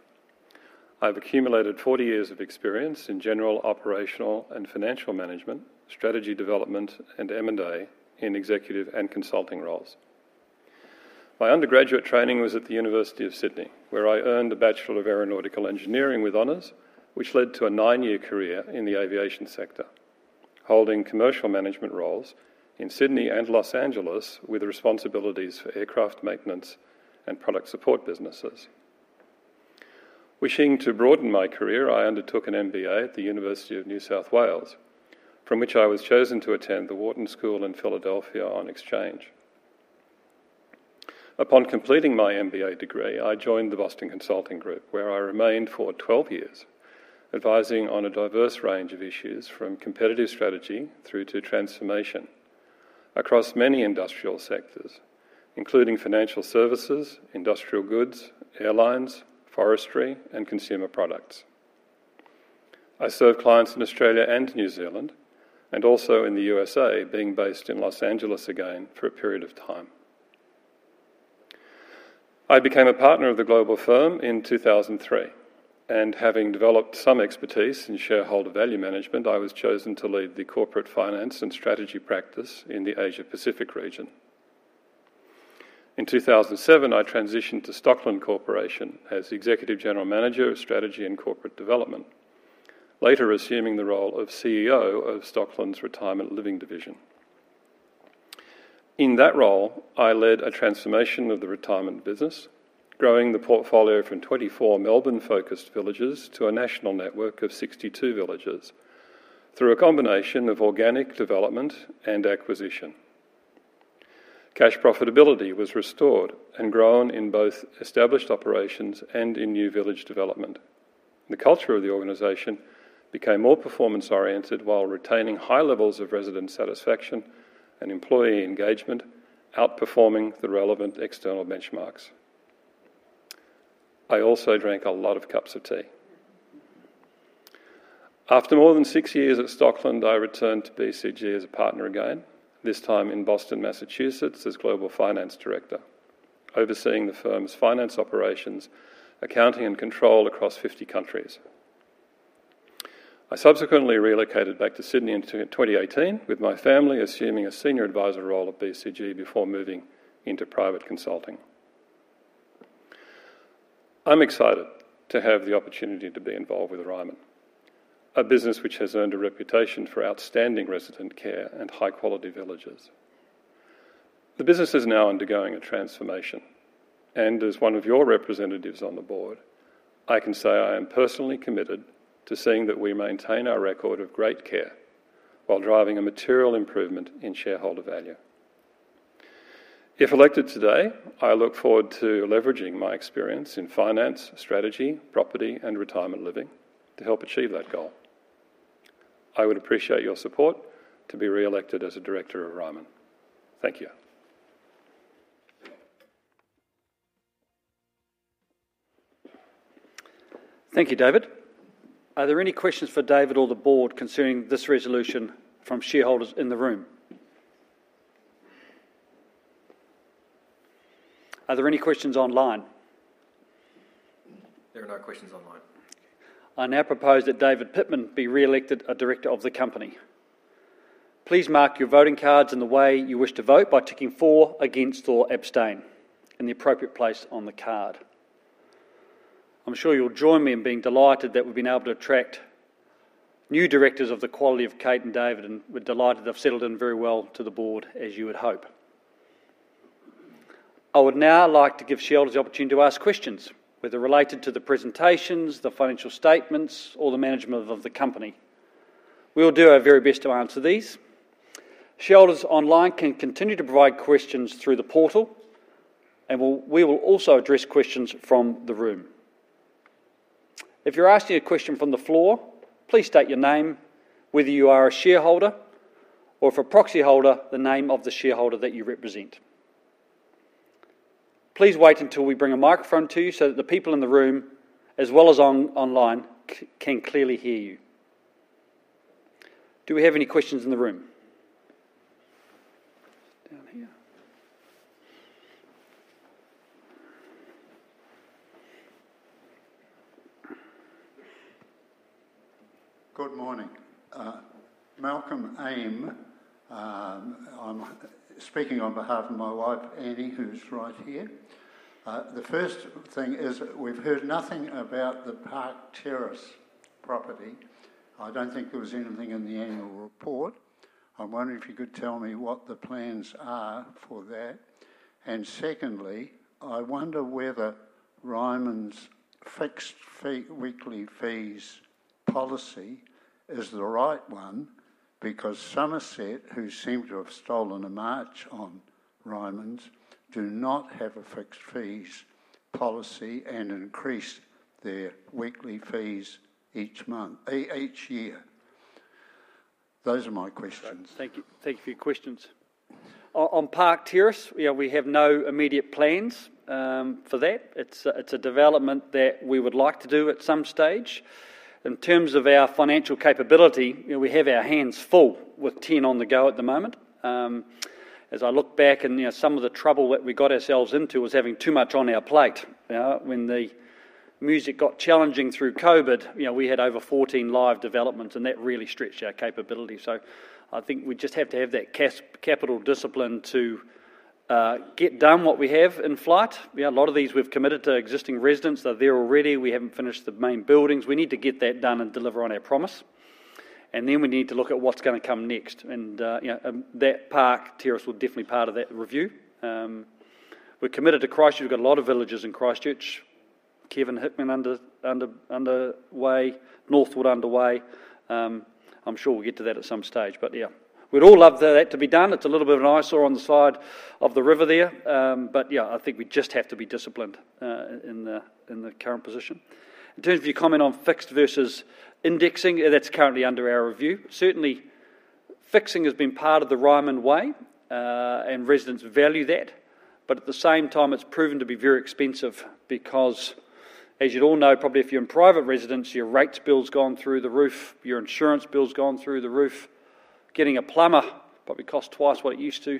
I've accumulated 40 years of experience in general operational and financial management, strategy development, and M&A in executive and consulting roles. My undergraduate training was at the University of Sydney, where I earned a Bachelor of Aeronautical Engineering with honors, which led to a 9-year career in the aviation sector, holding commercial management roles in Sydney and Los Angeles, with responsibilities for aircraft maintenance and product support businesses. Wishing to broaden my career, I undertook an MBA at the University of New South Wales, from which I was chosen to attend the Wharton School in Philadelphia on exchange. Upon completing my MBA degree, I joined the Boston Consulting Group, where I remained for 12 years, advising on a diverse range of issues, from competitive strategy through to transformation across many industrial sectors, including financial services, industrial goods, airlines, forestry, and consumer products. I served clients in Australia and New Zealand, and also in the USA, being based in Los Angeles again for a period of time. I became a partner of the global firm in 2003, and having developed some expertise in shareholder value management, I was chosen to lead the corporate finance and strategy practice in the Asia-Pacific region. In 2007, I transitioned to Stockland as Executive General Manager of Strategy and Corporate Development, later assuming the role of CEO of Stockland's Retirement Living division. In that role, I led a transformation of the retirement business, growing the portfolio from 24 Melbourne-focused villages to a national network of 62 villages through a combination of organic development and acquisition. Cash profitability was restored and grown in both established operations and in new village development. The culture of the organization became more performance-oriented while retaining high levels of resident satisfaction and employee engagement, outperforming the relevant external benchmarks. I also drank a lot of cups of tea. After more than six years at Stockland, I returned to BCG as a partner again, this time in Boston, Massachusetts, as Global Finance Director, overseeing the firm's finance operations, accounting, and control across 50 countries. I subsequently relocated back to Sydney in 2018 with my family, assuming a senior advisor role at BCG before moving into private consulting. I'm excited to have the opportunity to be involved with Ryman, a business which has earned a reputation for outstanding resident care and high-quality villages. The business is now undergoing a transformation, and as one of your representatives on the board, I can say I am personally committed to seeing that we maintain our record of great care while driving a material improvement in shareholder value. If elected today, I look forward to leveraging my experience in finance, strategy, property, and retirement living to help achieve that goal. I would appreciate your support to be re-elected as a director of Ryman. Thank you. Thank you, David. Are there any questions for David or the board concerning this resolution from shareholders in the room? Are there any questions online? There are no questions online. I now propose that David Pitman be re-elected a director of the company. Please mark your voting cards in the way you wish to vote by ticking for, against, or abstain in the appropriate place on the card. I'm sure you'll join me in being delighted that we've been able to attract new directors of the quality of Kate and David, and we're delighted they've settled in very well to the board, as you would hope. I would now like to give shareholders the opportunity to ask questions, whether related to the presentations, the financial statements, or the management of the company. We will do our very best to answer these. Shareholders online can continue to provide questions through the portal, and we'll, we will also address questions from the room.... If you're asking a question from the floor, please state your name, whether you are a shareholder, or if a proxy holder, the name of the shareholder that you represent. Please wait until we bring a microphone to you so that the people in the room, as well as online, can clearly hear you. Do we have any questions in the room? Down here. Good morning. Malcolm Amy. I'm speaking on behalf of my wife, Annie, who's right here. The first thing is we've heard nothing about the Park Terrace property. I don't think there was anything in the annual report. I wonder if you could tell me what the plans are for that. And secondly, I wonder whether Ryman's fixed fee weekly fees policy is the right one, because Summerset, who seem to have stolen a march on Ryman's, do not have a fixed fees policy and increase their weekly fees each year. Those are my questions. Thank you. Thank you for your questions. On Park Terrace, yeah, we have no immediate plans for that. It's a development that we would like to do at some stage. In terms of our financial capability, you know, we have our hands full with 10 on the go at the moment. As I look back and, you know, some of the trouble that we got ourselves into was having too much on our plate. When the music got challenging through COVID, you know, we had over 14 live developments, and that really stretched our capability. So I think we just have to have that capital discipline to get done what we have in flight. Yeah, a lot of these we've committed to existing residents, they're there already. We haven't finished the main buildings. We need to get that done and deliver on our promise, and then we need to look at what's gonna come next. And, you know, that Park Terrace will definitely be part of that review. We're committed to Christchurch. We've got a lot of villages in Christchurch. Kevin Hickman underway, Northwood underway. I'm sure we'll get to that at some stage, but yeah. We'd all love that to be done. It's a little bit of an eyesore on the side of the river there, but yeah, I think we just have to be disciplined in the current position. In terms of your comment on fixed versus indexing, that's currently under our review. Certainly, fixing has been part of the Ryman Way, and residents value that. But at the same time, it's proven to be very expensive because as you'd all know, probably if you're in private residence, your rates bill's gone through the roof, your insurance bill's gone through the roof. Getting a plumber probably costs twice what it used to.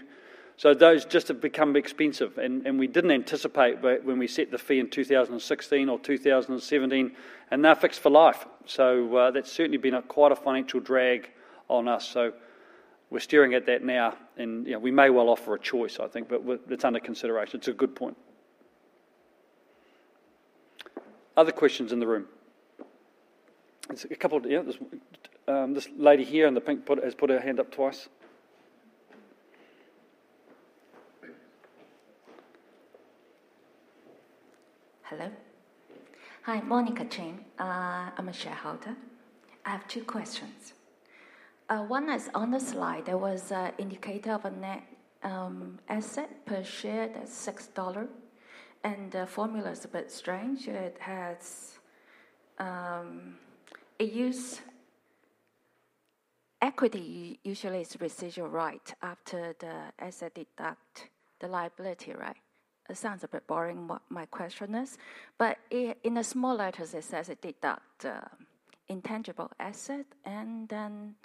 So those just have become expensive, and we didn't anticipate when we set the fee in 2016 or 2017, and they're fixed for life. So, that's certainly been quite a financial drag on us. So we're steering at that now, and, you know, we may well offer a choice, I think, but it's under consideration. It's a good point. Other questions in the room? There's a couple, yeah. There's this lady here in the pink has put her hand up twice. Hello. Hi, Monica Chin. I'm a shareholder. I have two questions. One is on the slide, there was an indicator of a net asset per share, that's 6 dollar, and the formula is a bit strange. It has it use equity usually is residual right after the asset deduct the liability, right? It sounds a bit boring, what my question is, but in the small letters, it says it deduct intangible asset and then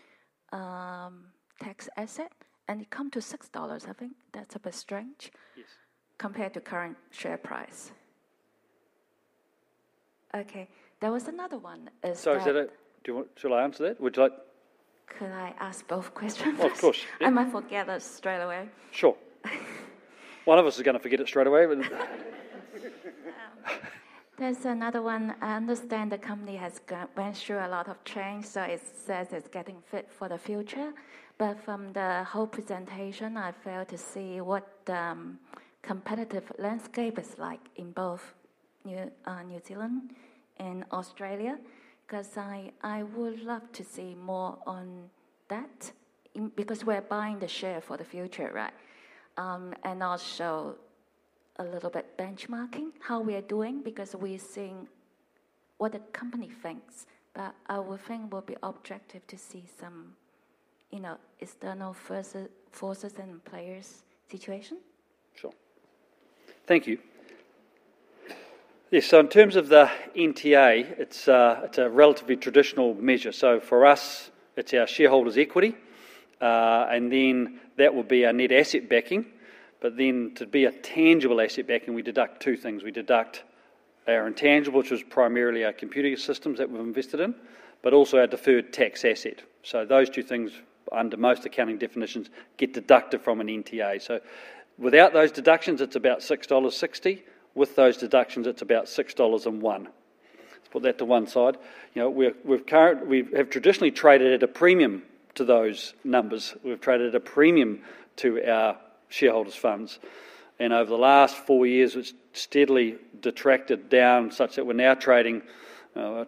tax asset, and it come to 6 dollars. I think that's a bit strange- Yes... compared to current share price. Okay, there was another one as well. Sorry, is that it? Do you want-- Shall I answer that? Would you like- Can I ask both questions first? Oh, of course. Yeah. I might forget it straight away. Sure. One of us is going to forget it straight away, but... There's another one. I understand the company went through a lot of change, so it says it's getting fit for the future. But from the whole presentation, I fail to see what the competitive landscape is like in both New Zealand and Australia, 'cause I would love to see more on that, because we're buying the share for the future, right? And also a little bit benchmarking, how we are doing, because we're seeing what the company thinks. But I would think it would be objective to see some, you know, external forces and players situation. Sure. Thank you. Yes, so in terms of the NTA, it's a, it's a relatively traditional measure. So for us, it's our shareholders' equity, and then that would be our net asset backing. But then to be a tangible asset backing, we deduct two things. We deduct our intangible, which is primarily our computer systems that we've invested in, but also our deferred tax asset. So those two things, under most accounting definitions, get deducted from an NTA. So without those deductions, it's about 6.60 dollars. With those deductions, it's about 6.01 dollars. Let's put that to one side. You know, we have traditionally traded at a premium to those numbers. We've traded at a premium to our shareholders' funds, and over the last 4 years, it's steadily detracted down such that we're now trading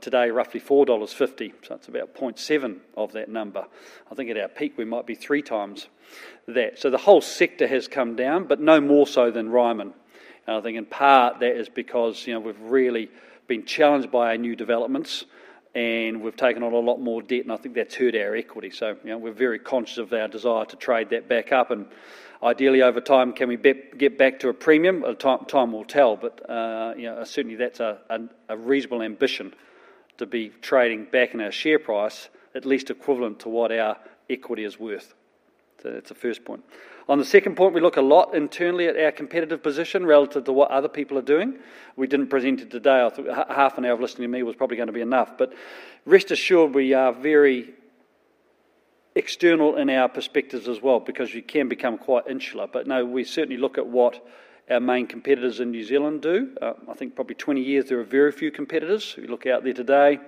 today roughly 4.50 dollars, so that's about 0.7 of that number. I think at our peak, we might be 3 times that. So the whole sector has come down, but no more so than Ryman. I think in part that is because, you know, we've really been challenged by our new developments, and we've taken on a lot more debt, and I think that's hurt our equity. So, you know, we're very conscious of our desire to trade that back up, and ideally, over time, can we get back to a premium? Time will tell, but, you know, certainly that's a reasonable ambition to be trading back in our share price, at least equivalent to what our equity is worth. So that's the first point. On the second point, we look a lot internally at our competitive position relative to what other people are doing. We didn't present it today. I thought half an hour of listening to me was probably gonna be enough, but rest assured, we are very external in our perspectives as well, because you can become quite insular. But no, we certainly look at what our main competitors in New Zealand do. I think probably 20 years, there were very few competitors. You look out there today,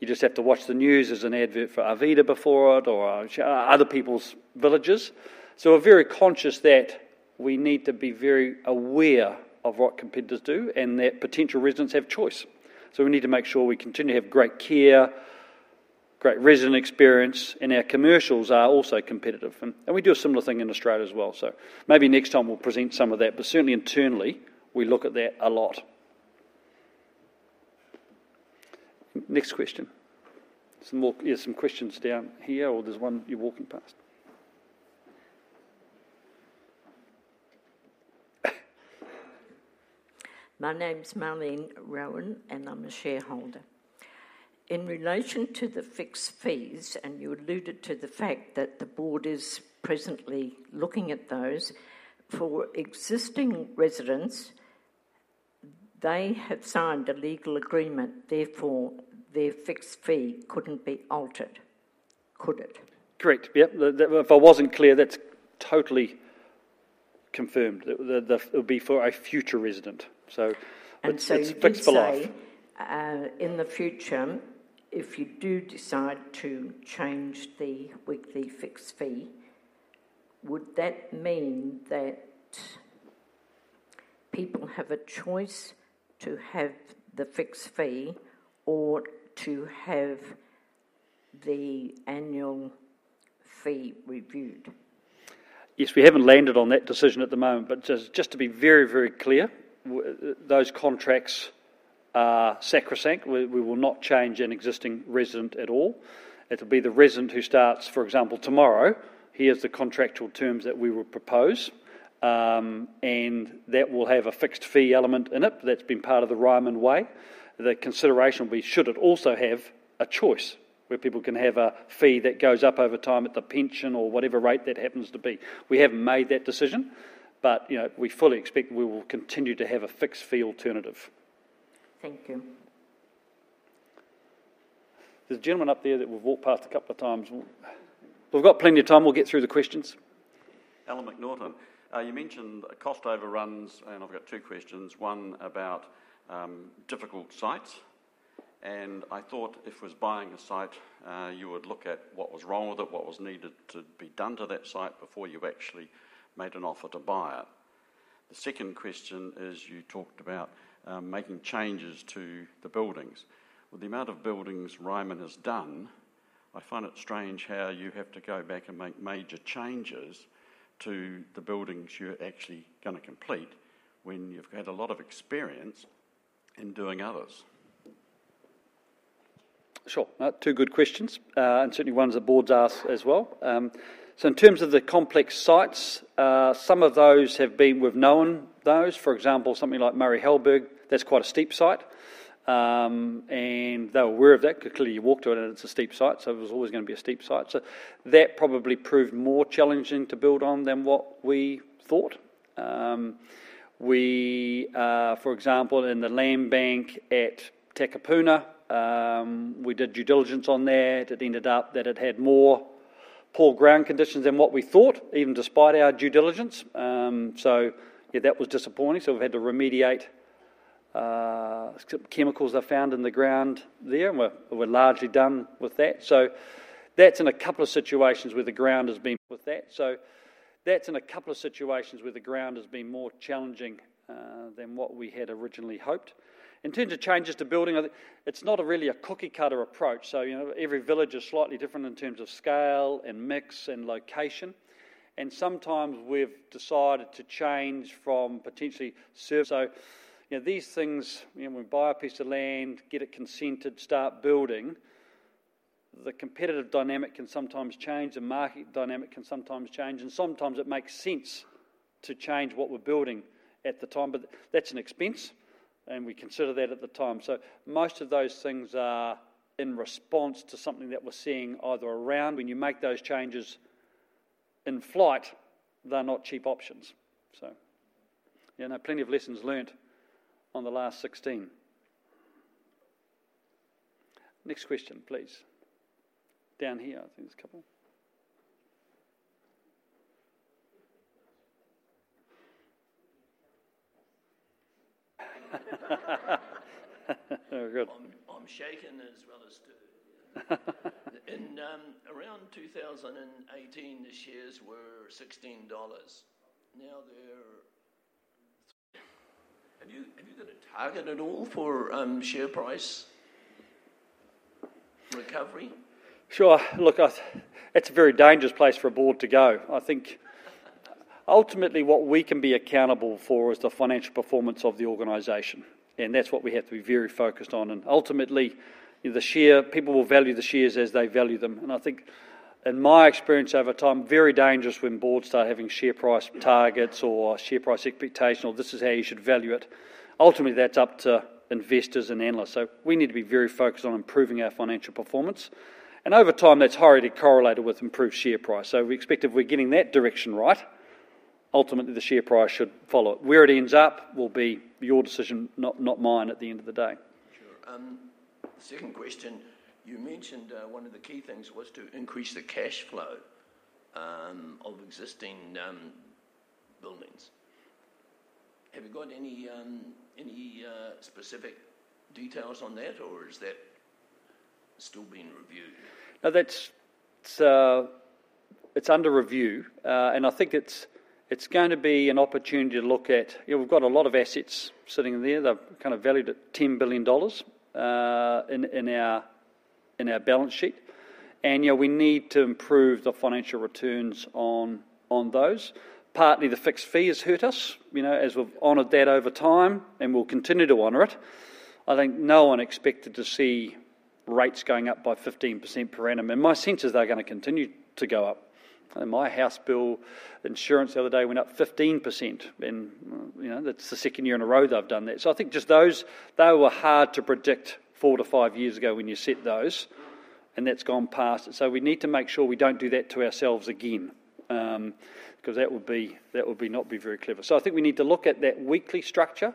you just have to watch the news. There's an advert for Arvida before it or other people's villages. So we're very conscious that we need to be very aware of what competitors do, and that potential residents have choice. So we need to make sure we continue to have great care, great resident experience, and our commercials are also competitive, and, and we do a similar thing in Australia as well. So maybe next time we'll present some of that, but certainly internally, we look at that a lot. Next question. Some more... There's some questions down here, or there's one you're walking past. My name's Marlene Rowan, and I'm a shareholder. In relation to the fixed fees, and you alluded to the fact that the board is presently looking at those, for existing residents, they have signed a legal agreement, therefore, their fixed fee couldn't be altered, could it? Correct. Yep, if I wasn't clear, that's totally confirmed. It would be for a future resident, so it's fixed for life. And so you say, in the future, if you do decide to change the weekly fixed fee, would that mean that people have a choice to have the fixed fee or to have the annual fee reviewed? Yes, we haven't landed on that decision at the moment, but just, just to be very, very clear, those contracts are sacrosanct. We will not change an existing resident at all. It'll be the resident who starts, for example, tomorrow. Here's the contractual terms that we will propose. And that will have a fixed fee element in it. That's been part of the Ryman Way. The consideration will be: Should it also have a choice, where people can have a fee that goes up over time at the pension or whatever rate that happens to be? We haven't made that decision, but, you know, we fully expect we will continue to have a fixed fee alternative. Thank you. There's a gentleman up there that we've walked past a couple of times. We've got plenty of time. We'll get through the questions. Alan McNaughton. You mentioned cost overruns, and I've got two questions, one about difficult sites, and I thought if it was buying a site, you would look at what was wrong with it, what was needed to be done to that site before you actually made an offer to buy it. The second question is, you talked about making changes to the buildings. With the amount of buildings Ryman has done, I find it strange how you have to go back and make major changes to the buildings you're actually gonna complete when you've had a lot of experience in doing others. Sure. Two good questions, and certainly ones the board's asked as well. So in terms of the complex sites, some of those have been, we've known those. For example, something like Murray Halberg, that's quite a steep site, and they were aware of that, 'cause clearly you walk to it, and it's a steep site, so it was always gonna be a steep site. So that probably proved more challenging to build on than what we thought. We, for example, in the land bank at Takapuna, we did due diligence on that. It ended up that it had more poor ground conditions than what we thought, even despite our due diligence. So yeah, that was disappointing. So we've had to remediate some chemicals they found in the ground there, and we're largely done with that. So that's in a couple of situations where the ground has been more challenging than what we had originally hoped. In terms of changes to building, I think it's not really a cookie-cutter approach. So, you know, every village is slightly different in terms of scale and mix and location, and sometimes we've decided to change from potentially. So, you know, these things, you know, when we buy a piece of land, get it consented, start building, the competitive dynamic can sometimes change, the market dynamic can sometimes change, and sometimes it makes sense to change what we're building at the time. But that's an expense, and we consider that at the time. So most of those things are in response to something that we're seeing either around... When you make those changes in flight, they're not cheap options. So, you know, plenty of lessons learned on the last 16. Next question, please. Down here, I think there's a couple. Very good. I'm shaken as well as stirred. In around 2018, the shares were NZD 16. Now, they're... Have you got a target at all for share price?... recovery? Sure. Look, I, that's a very dangerous place for a board to go. I think ultimately what we can be accountable for is the financial performance of the organization, and that's what we have to be very focused on. Ultimately, the share- people will value the shares as they value them. I think in my experience over time, very dangerous when boards start having share price targets or share price expectation, or this is how you should value it. Ultimately, that's up to investors and analysts. So we need to be very focused on improving our financial performance, and over time, that's highly correlated with improved share price. So we expect if we're getting that direction right, ultimately the share price should follow. Where it ends up will be your decision, not, not mine, at the end of the day. Sure. Second question: you mentioned one of the key things was to increase the cash flow of existing buildings. Have you got any any specific details on that, or is that still being reviewed? No, that's, it's under review. And I think it's going to be an opportunity to look at... You know, we've got a lot of assets sitting there. They're kind of valued at $10 billion in our balance sheet, and, you know, we need to improve the financial returns on those. Partly, the fixed fee has hurt us, you know, as we've honored that over time, and we'll continue to honor it. I think no one expected to see rates going up by 15% per annum, and my sense is they're going to continue to go up. And my house bill insurance the other day went up 15%, and, you know, that's the second year in a row they've done that. So I think just those, they were hard to predict 4-5 years ago when you set those, and that's gone past. So we need to make sure we don't do that to ourselves again, because that would be, that would be not be very clever. So I think we need to look at that weekly structure.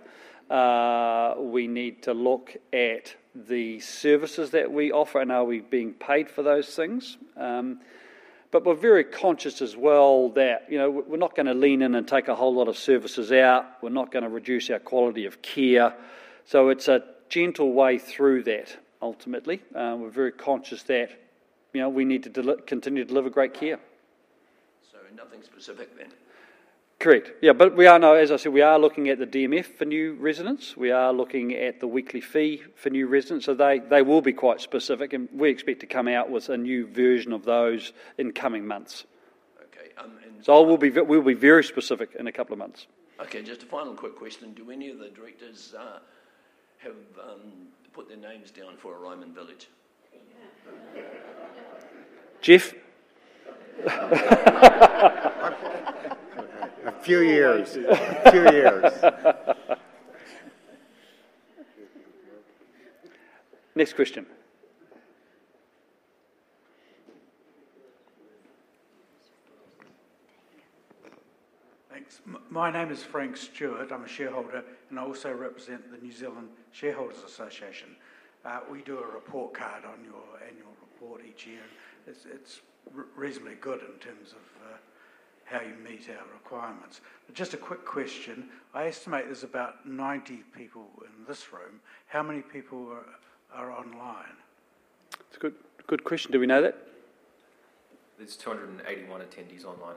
We need to look at the services that we offer, and are we being paid for those things? But we're very conscious as well that, you know, we're not going to lean in and take a whole lot of services out. We're not going to reduce our quality of care. So it's a gentle way through that, ultimately. We're very conscious that, you know, we need to continue to deliver great care. So nothing specific then? Correct. Yeah, but we are now... As I said, we are looking at the DMF for new residents. We are looking at the weekly fee for new residents. So they will be quite specific, and we expect to come out with a new version of those in coming months. Okay, So we'll be very specific in a couple of months. Okay, just a final quick question: Do any of the directors have put their names down for a Ryman village? Geoff? A few years. A few years. Next question. Thanks. My name is Frank Stewart. I'm a shareholder, and I also represent the New Zealand Shareholders Association. We do a report card on your annual report each year. It's reasonably good in terms of how you meet our requirements. But just a quick question: I estimate there's about 90 people in this room. How many people are online? It's a good, good question. Do we know that? There's 281 attendees online.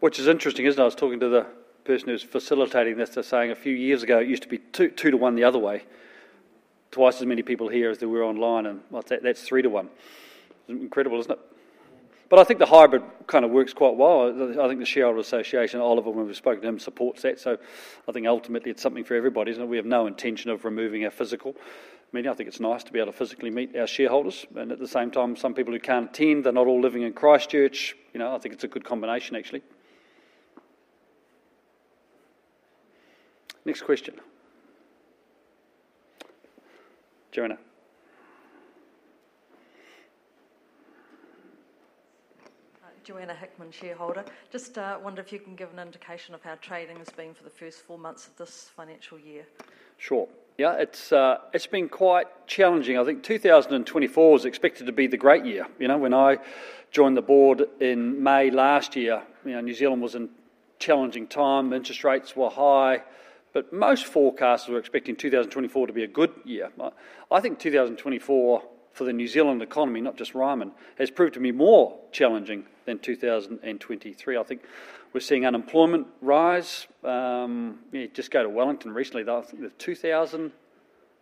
Which is interesting, isn't it? I was talking to the person who's facilitating this. They're saying a few years ago, it used to be 2 to 1 the other way, twice as many people here as there were online, and, well, that's 3 to 1. Incredible, isn't it? But I think the hybrid kind of works quite well. I, I think the Shareholder Association, Oliver, when we've spoken to him, supports that. So I think ultimately it's something for everybody, isn't it? We have no intention of removing our physical meeting. I think it's nice to be able to physically meet our shareholders, and at the same time, some people who can't attend, they're not all living in Christchurch. You know, I think it's a good combination, actually. Next question. Joanna. Joanna Hickman, shareholder. Just wonder if you can give an indication of how trading has been for the first four months of this financial year? Sure. Yeah, it's been quite challenging. I think 2024 is expected to be the great year. You know, when I joined the board in May last year, you know, New Zealand was in challenging time. Interest rates were high, but most forecasts were expecting 2024 to be a good year. I think 2024, for the New Zealand economy, not just Ryman, has proved to be more challenging than 2023. I think we're seeing unemployment rise. You just go to Wellington recently, there are, I think 2,000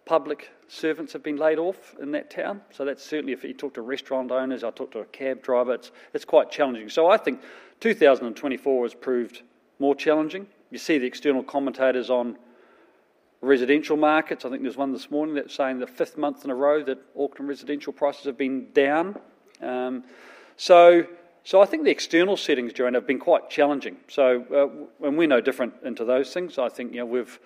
public servants have been laid off in that town. So that's certainly... If you talk to restaurant owners, I talked to a cab driver, it's quite challenging. So I think 2024 has proved more challenging. You see the external commentators on residential markets. I think there's one this morning that's saying the fifth month in a row that Auckland residential prices have been down. So, so I think the external settings, Joanna, have been quite challenging. So, and we're no different into those things. I think, you know, we've,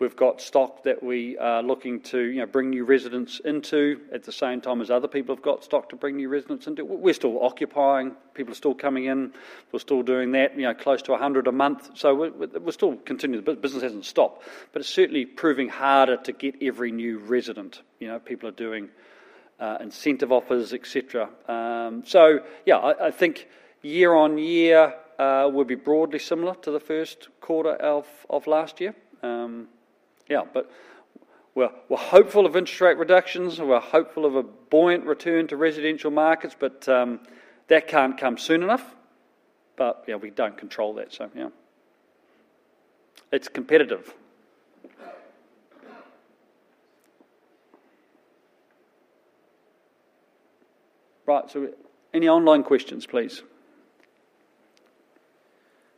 we've got stock that we are looking to, you know, bring new residents into at the same time as other people have got stock to bring new residents into. We're still occupying. People are still coming in. We're still doing that, you know, close to 100 a month. So we're, we're still continuing. Business hasn't stopped, but it's certainly proving harder to get every new resident. You know, people are doing incentive offers, et cetera. So yeah, I, I think year-on-year will be broadly similar to the first quarter of last year. Yeah, but we're, we're hopeful of interest rate reductions, and we're hopeful of a buoyant return to residential markets, but that can't come soon enough. But, you know, we don't control that, so yeah... it's competitive. Right, so any online questions, please?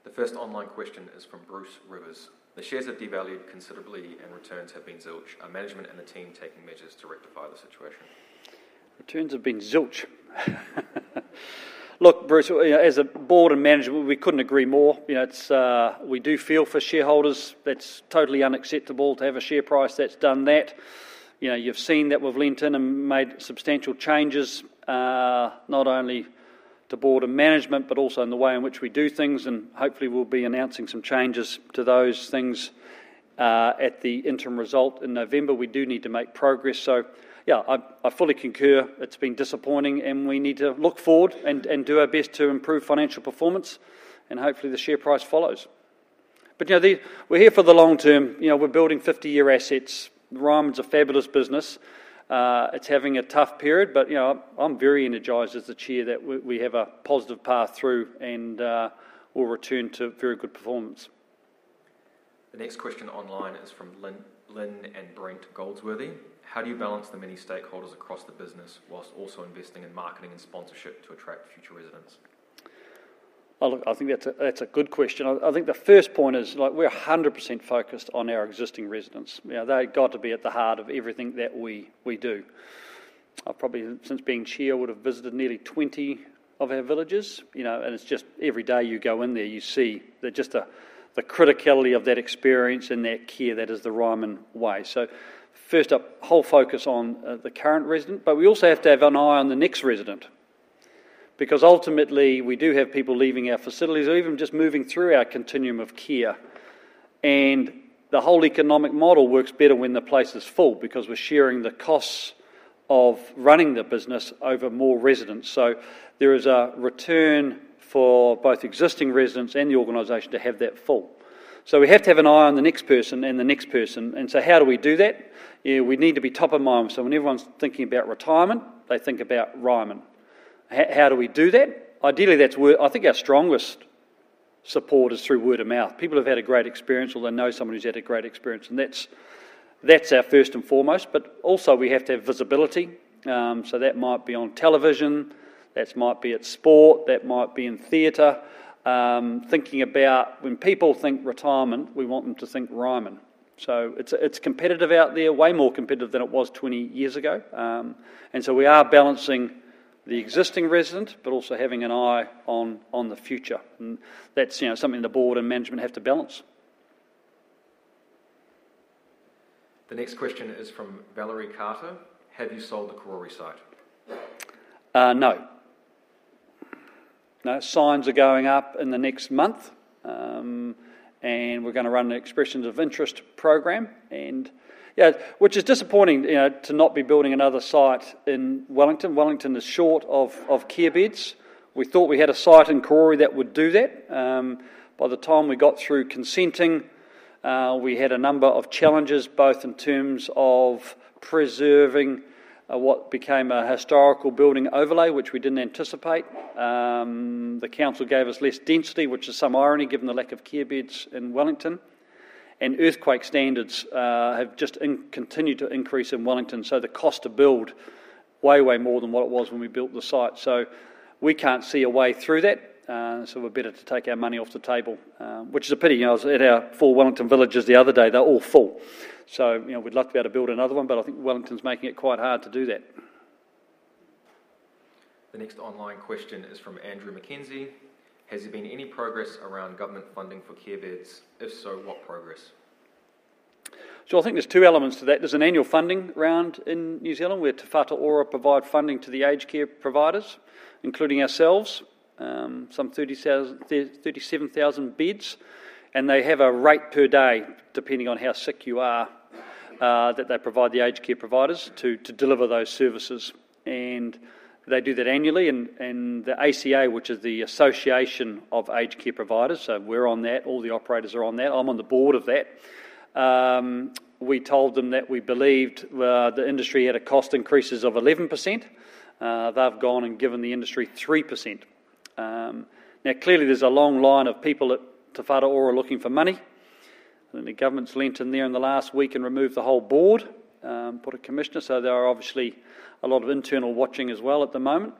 The first online question is from Bruce Rivers: The shares have devalued considerably, and returns have been zilch. Are management and the team taking measures to rectify the situation? Returns have been zilch. Look, Bruce, well, you know, as a board and management, we couldn't agree more. You know, it's, we do feel for shareholders. That's totally unacceptable to have a share price that's done that. You know, you've seen that we've leant in and made substantial changes, not only to board and management, but also in the way in which we do things, and hopefully we'll be announcing some changes to those things, at the interim result in November. We do need to make progress. So yeah, I, I fully concur it's been disappointing, and we need to look forward and, and do our best to improve financial performance, and hopefully the share price follows. But, you know, the- we're here for the long term. You know, we're building 50-year assets. Ryman's a fabulous business. It's having a tough period, but, you know, I'm very energized as the chair that we have a positive path through, and we'll return to very good performance. The next question online is from Lynn and Brent Goldsworthy: How do you balance the many stakeholders across the business while also investing in marketing and sponsorship to attract future residents? Well, look, I think that's a, that's a good question. I, I think the first point is, like, we're 100% focused on our existing residents. You know, they've got to be at the heart of everything that we, we do. I probably, since being chair, would've visited nearly 20 of our villages, you know, and it's just every day you go in there, you see the, just the, the criticality of that experience and that care. That is the Ryman Way. So first up, whole focus on the current resident, but we also have to have an eye on the next resident because ultimately we do have people leaving our facilities or even just moving through our continuum of care, and the whole economic model works better when the place is full because we're sharing the costs of running the business over more residents. So there is a return for both existing residents and the organization to have that full. So we have to have an eye on the next person and the next person, and so how do we do that? Yeah, we need to be top of mind, so when everyone's thinking about retirement, they think about Ryman. How, how do we do that? Ideally, that's word... I think our strongest support is through word of mouth. People have had a great experience, or they know someone who's had a great experience, and that's, that's our first and foremost, but also we have to have visibility. So that might be on television, that might be at sport, that might be in theatre. Thinking about when people think retirement, we want them to think Ryman. So it's, it's competitive out there, way more competitive than it was 20 years ago. And so we are balancing the existing resident but also having an eye on the future, and that's, you know, something the board and management have to balance. The next question is from Valerie Carter: Have you sold the Karori site? No. No, signs are going up in the next month, and we're gonna run an expressions of interest program, and yeah, which is disappointing, you know, to not be building another site in Wellington. Wellington is short of care beds. We thought we had a site in Karori that would do that. By the time we got through consenting, we had a number of challenges, both in terms of preserving what became a historical building overlay, which we didn't anticipate. The council gave us less density, which is some irony, given the lack of care beds in Wellington, and earthquake standards have just continued to increase in Wellington, so the cost to build way, way more than what it was when we built the site. So we can't see a way through that, so we're better to take our money off the table, which is a pity. You know, I was at our four Wellington villages the other day. They're all full, so, you know, we'd love to be able to build another one, but I think Wellington's making it quite hard to do that. The next online question is from Andrew McKenzie: Has there been any progress around government funding for care beds? If so, what progress? So I think there's 2 elements to that. There's an annual funding round in New Zealand, where Te Whatu Ora provide funding to the aged care providers, including ourselves, some 30,000, 37,000 beds, and they have a rate per day, depending on how sick you are, that they provide the aged care providers to, to deliver those services, and they do that annually. And the ACA, which is the Association of Aged Care Providers, so we're on that, all the operators are on that. I'm on the board of that. We told them that we believed the industry had a cost increases of 11%. They've gone and given the industry 3%. Now, clearly there's a long line of people at Te Whatu Ora looking for money, and the government's leaned in there in the last week and removed the whole board, put a commissioner, so there are obviously a lot of internal watching as well at the moment.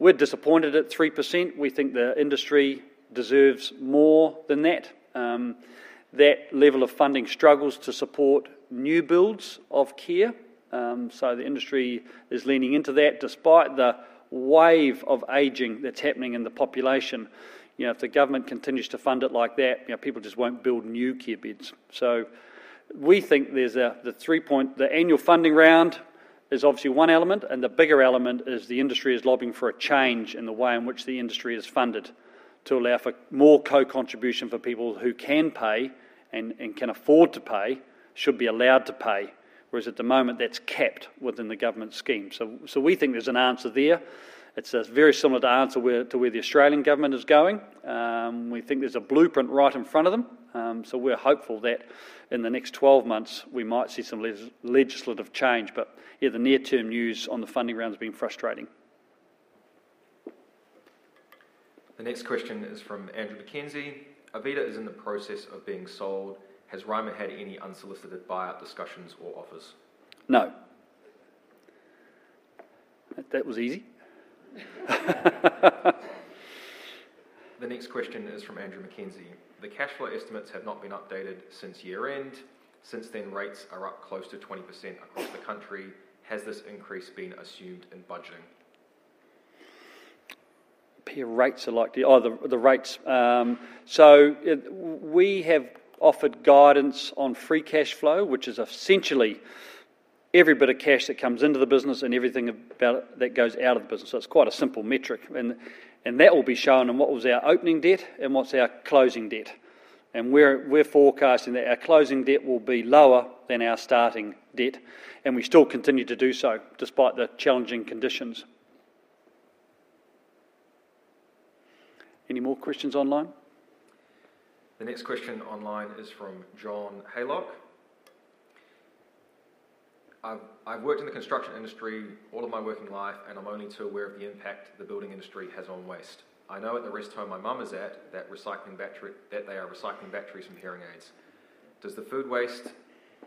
We're disappointed at 3%. We think the industry deserves more than that. That level of funding struggles to support new builds of care, so the industry is leaning into that. Despite the wave of aging that's happening in the population, you know, if the government continues to fund it like that, you know, people just won't build new care beds. So we think there's a, the three point... The annual funding round is obviously one element, and the bigger element is the industry is lobbying for a change in the way in which the industry is funded to allow for more co-contribution for people who can pay and can afford to pay should be allowed to pay, whereas at the moment, that's capped within the government scheme. So we think there's an answer there. It's very similar to the answer where the Australian government is going. We think there's a blueprint right in front of them, so we're hopeful that in the next 12 months we might see some legislative change. But yeah, the near-term news on the funding round has been frustrating.... The next question is from Andrew McKenzie: Arvida is in the process of being sold. Has Ryman had any unsolicited buyout discussions or offers? No. That was easy. The next question is from Andrew McKenzie: The cash flow estimates have not been updated since year-end. Since then, rates are up close to 20% across the country. Has this increase been assumed in budgeting? The rates or the rates. So we have offered guidance on free cash flow, which is essentially every bit of cash that comes into the business and everything about it that goes out of the business. So it's quite a simple metric, and that will be shown in what was our opening debt and what's our closing debt. And we're forecasting that our closing debt will be lower than our starting debt, and we still continue to do so despite the challenging conditions. Any more questions online? The next question online is from John Haylock: I've worked in the construction industry all of my working life, and I'm only too aware of the impact the building industry has on waste. I know at the rest home my mom is at, that they are recycling batteries from hearing aids. Does the food waste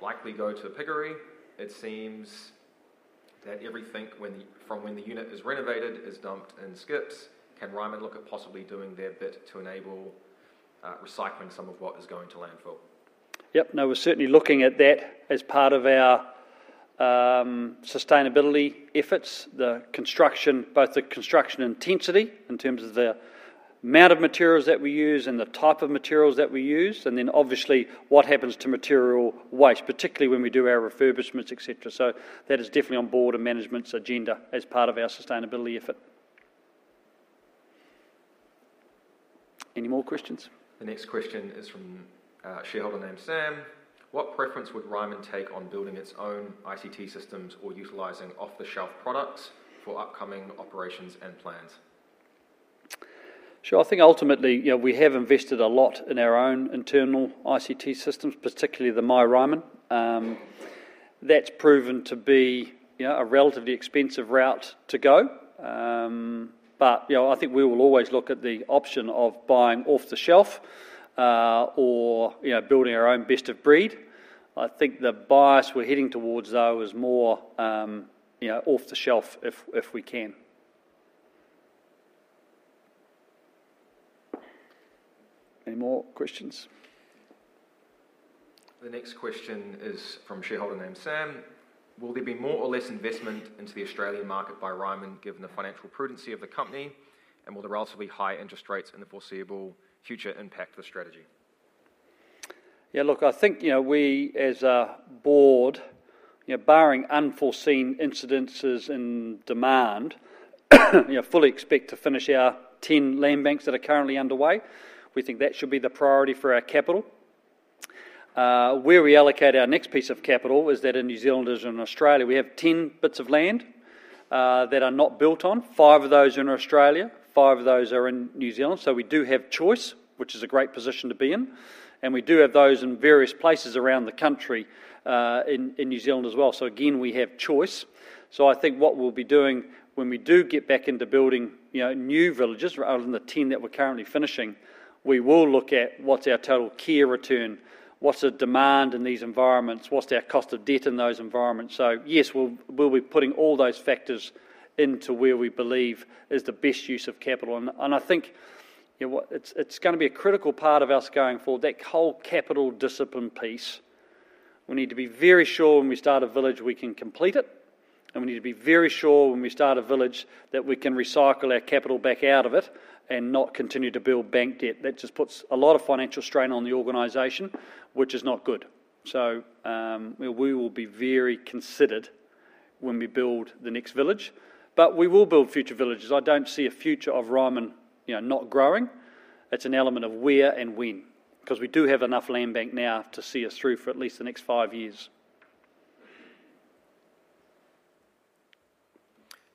likely go to a piggery? It seems that everything from when the unit is renovated is dumped in skips. Can Ryman look at possibly doing their bit to enable recycling some of what is going to landfill? Yep. No, we're certainly looking at that as part of our sustainability efforts, the construction, both the construction intensity in terms of the amount of materials that we use and the type of materials that we use, and then obviously, what happens to material waste, particularly when we do our refurbishments, et cetera. So that is definitely on board and management's agenda as part of our sustainability effort. Any more questions? The next question is from a shareholder named Sam: What preference would Ryman take on building its own ICT systems or utilizing off-the-shelf products for upcoming operations and plans? Sure. I think ultimately, you know, we have invested a lot in our own internal ICT systems, particularly the myRyman. That's proven to be, you know, a relatively expensive route to go. But, you know, I think we will always look at the option of buying off the shelf, or, you know, building our own best of breed. I think the bias we're heading towards, though, is more, you know, off the shelf if we can. Any more questions? The next question is from a shareholder named Sam: Will there be more or less investment into the Australian market by Ryman, given the financial prudency of the company, and will the relatively high interest rates in the foreseeable future impact the strategy? Yeah, look, I think, you know, we as a board, you know, barring unforeseen incidences in demand, you know, fully expect to finish our 10 land banks that are currently underway. We think that should be the priority for our capital. Where we allocate our next piece of capital is that in New Zealand and Australia, we have 10 bits of land that are not built on, five of those are in Australia, five of those are in New Zealand. So we do have choice, which is a great position to be in, and we do have those in various places around the country, in New Zealand as well. So again, we have choice. So I think what we'll be doing when we do get back into building, you know, new villages rather than the 10 that we're currently finishing, we will look at what's our total care return, what's the demand in these environments, what's our cost of debt in those environments. So yes, we'll, we'll be putting all those factors into where we believe is the best use of capital, and, and I think, you know what? It's, it's gonna be a critical part of us going forward, that whole capital discipline piece. We need to be very sure when we start a village, we can complete it, and we need to be very sure when we start a village that we can recycle our capital back out of it and not continue to build bank debt. That just puts a lot of financial strain on the organization, which is not good. We will be very considered when we build the next village, but we will build future villages. I don't see a future of Ryman, you know, not growing. It's an element of where and when, because we do have enough land bank now to see us through for at least the next five years.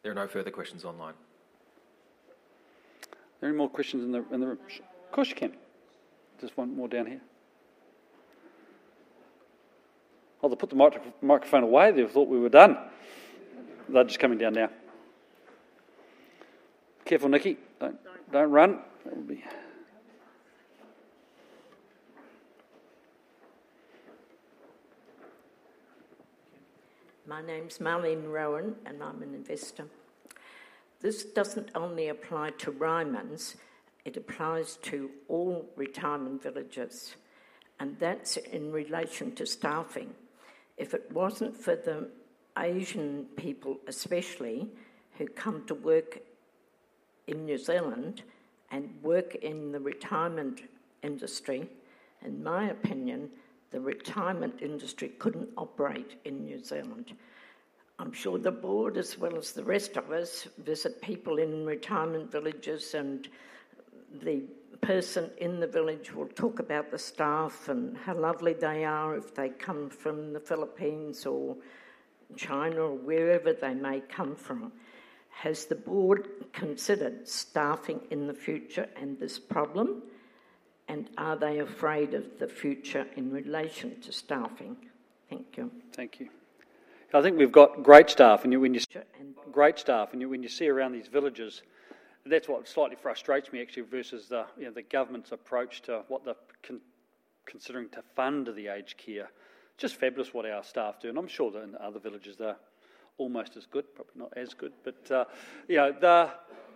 There are no further questions online. Are there any more questions in the, in the room? Of course, you can. Just one more down here. Oh, they put the microphone away. They thought we were done. They're just coming down now. Careful, Nikki. Sorry. Don't run. That would be... My name's Marlene Rowan, and I'm an investor. This doesn't only apply to Rymans, it applies to all retirement villages, and that's in relation to staffing. If it wasn't for the Asian people, especially, who come to work in New Zealand and work in the retirement industry, in my opinion, the retirement industry couldn't operate in New Zealand. I'm sure the board, as well as the rest of us, visit people in retirement villages, and the person in the village will talk about the staff and how lovely they are if they come from the Philippines or China, or wherever they may come from. Has the board considered staffing in the future and this problem, and are they afraid of the future in relation to staffing? Thank you. Thank you. I think we've got great staff, and when you see around these villages, that's what slightly frustrates me, actually, versus the, you know, the government's approach to what they're considering to fund the aged care. Just fabulous what our staff do, and I'm sure that in the other villages they're almost as good, probably not as good. But, you know,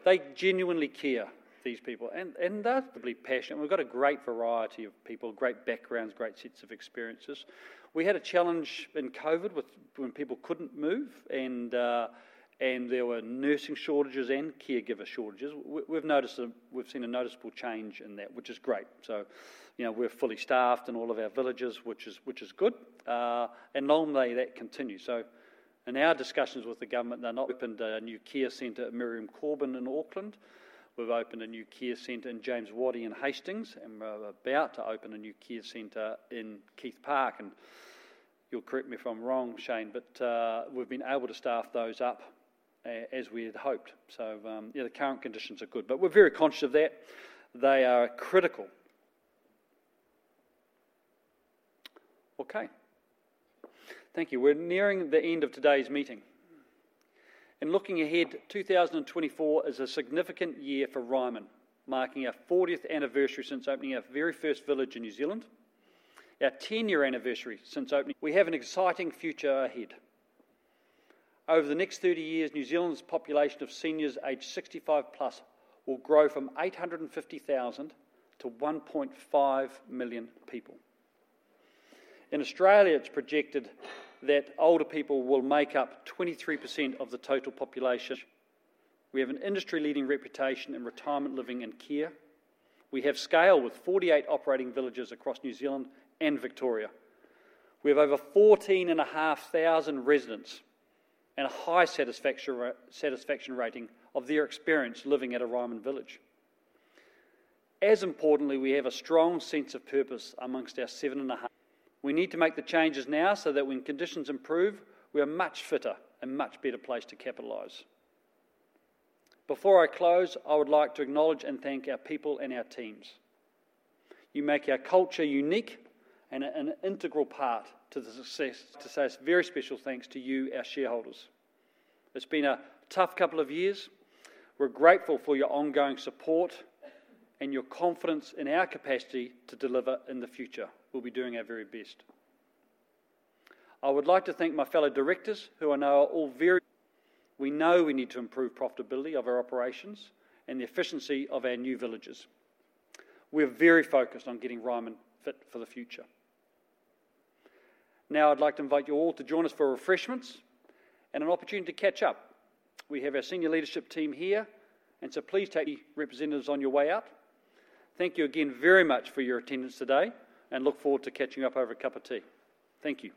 they genuinely care, these people, and they're incredibly passionate. We've got a great variety of people, great backgrounds, great sets of experiences. We had a challenge in COVID with when people couldn't move, and there were nursing shortages and caregiver shortages. We've noticed we've seen a noticeable change in that, which is great. So, you know, we're fully staffed in all of our villages, which is good. And long may that continue. So in our discussions with the government, they're not... Opened a new care center at Miriam Corban in Auckland. We've opened a new care center in James Wattie in Hastings, and we're about to open a new care center in Keith Park, and you'll correct me if I'm wrong, Cheyne, but, we've been able to staff those up as we had hoped. So, yeah, the current conditions are good, but we're very conscious of that. They are critical. Okay, thank you. We're nearing the end of today's meeting. And looking ahead, 2024 is a significant year for Ryman, marking our fortieth anniversary since opening our very first village in New Zealand, our ten-year anniversary since opening... We have an exciting future ahead. Over the next 30 years, New Zealand's population of seniors aged 65+ will grow from 850,000 to 1.5 million people. In Australia, it's projected that older people will make up 23% of the total population. We have an industry-leading reputation in retirement living and care. We have scale, with 48 operating villages across New Zealand and Victoria. We have over 14,500 residents and a high satisfaction rating of their experience living at a Ryman village. As importantly, we have a strong sense of purpose amongst our 7.5... We need to make the changes now so that when conditions improve, we are much fitter and much better placed to capitalize. Before I close, I would like to acknowledge and thank our people and our teams. You make our culture unique and an integral part to the success. To say a very special thanks to you, our shareholders. It's been a tough couple of years. We're grateful for your ongoing support and your confidence in our capacity to deliver in the future. We'll be doing our very best. I would like to thank my fellow directors, who I know are all very. We know we need to improve profitability of our operations and the efficiency of our new villages. We're very focused on getting Ryman fit for the future. Now, I'd like to invite you all to join us for refreshments and an opportunity to catch up. We have our senior leadership team here, and so please take representatives on your way out. Thank you again very much for your attendance today, and look forward to catching up over a cup of tea. Thank you.